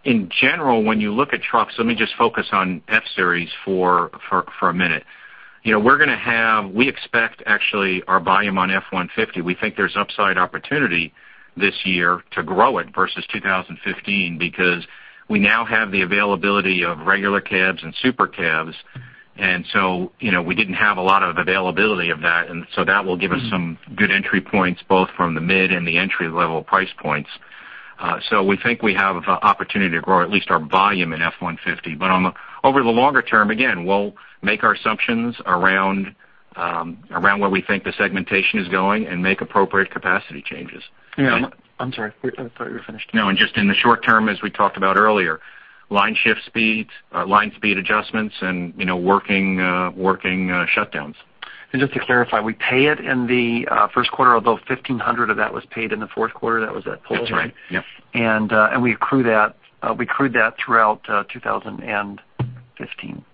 S3: In general, when you look at trucks, let me just focus on F-Series for a minute. We expect actually our volume on F-150, we think there's upside opportunity this year to grow it versus 2015 because we now have the availability of regular cabs and SuperCabs. We didn't have a lot of availability of that, and so that will give us some good entry points both from the mid and the entry-level price points. We think we have opportunity to grow at least our volume in F-150. Over the longer term, again, we'll make our assumptions around where we think the segmentation is going and make appropriate capacity changes.
S4: Yeah. I'm sorry. I thought you were finished.
S3: No. Just in the short term, as we talked about earlier, line shift speeds, line speed adjustments, and working shutdowns.
S4: Just to clarify, we pay it in the first quarter, although $1,500 of that was paid in the fourth quarter. That was that pull-ahead.
S3: That's right. Yep.
S4: We accrued that throughout 2015.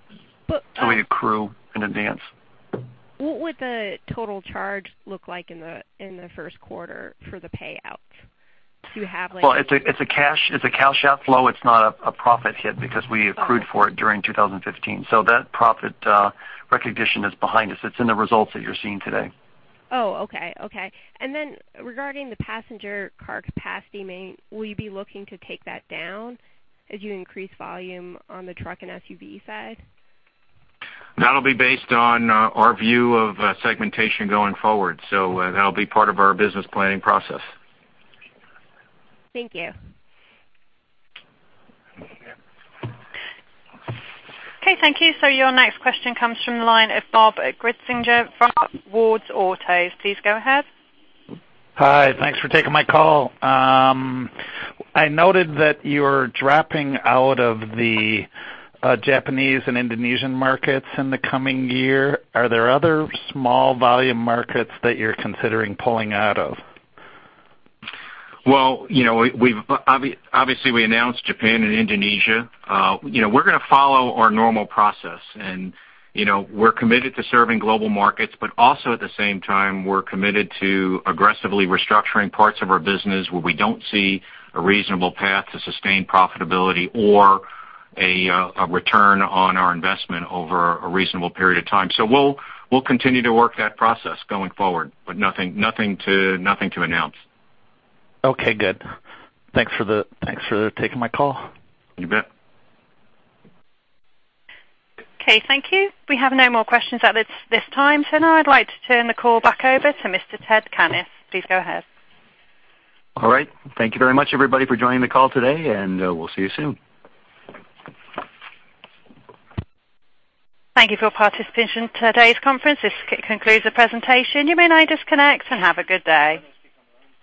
S16: But-
S4: We accrue in advance.
S16: What would the total charge look like in the first quarter for the payouts? Do you have?
S3: It's a cash outflow. It's not a profit hit because we accrued for it during 2015. That profit recognition is behind us. It's in the results that you're seeing today.
S16: Okay. Then regarding the passenger car capacity, will you be looking to take that down as you increase volume on the truck and SUV side?
S3: That'll be based on our view of segmentation going forward. That'll be part of our business planning process.
S16: Thank you.
S1: Okay, thank you. Your next question comes from the line of Bob Gritzinger from WardsAuto. Please go ahead.
S17: Hi. Thanks for taking my call. I noted that you're dropping out of the Japanese and Indonesian markets in the coming year. Are there other small volume markets that you're considering pulling out of?
S3: Well, obviously we announced Japan and Indonesia. We're going to follow our normal process. We're committed to serving global markets, also at the same time, we're committed to aggressively restructuring parts of our business where we don't see a reasonable path to sustain profitability or a return on our investment over a reasonable period of time. We'll continue to work that process going forward. Nothing to announce.
S17: Okay, good. Thanks for taking my call.
S3: You bet.
S1: Okay, thank you. We have no more questions at this time. Now I'd like to turn the call back over to Mr. Ted Cannis. Please go ahead.
S2: All right. Thank you very much, everybody, for joining the call today, and we'll see you soon.
S1: Thank you for your participation in today's conference. This concludes the presentation. You may now disconnect and have a good day.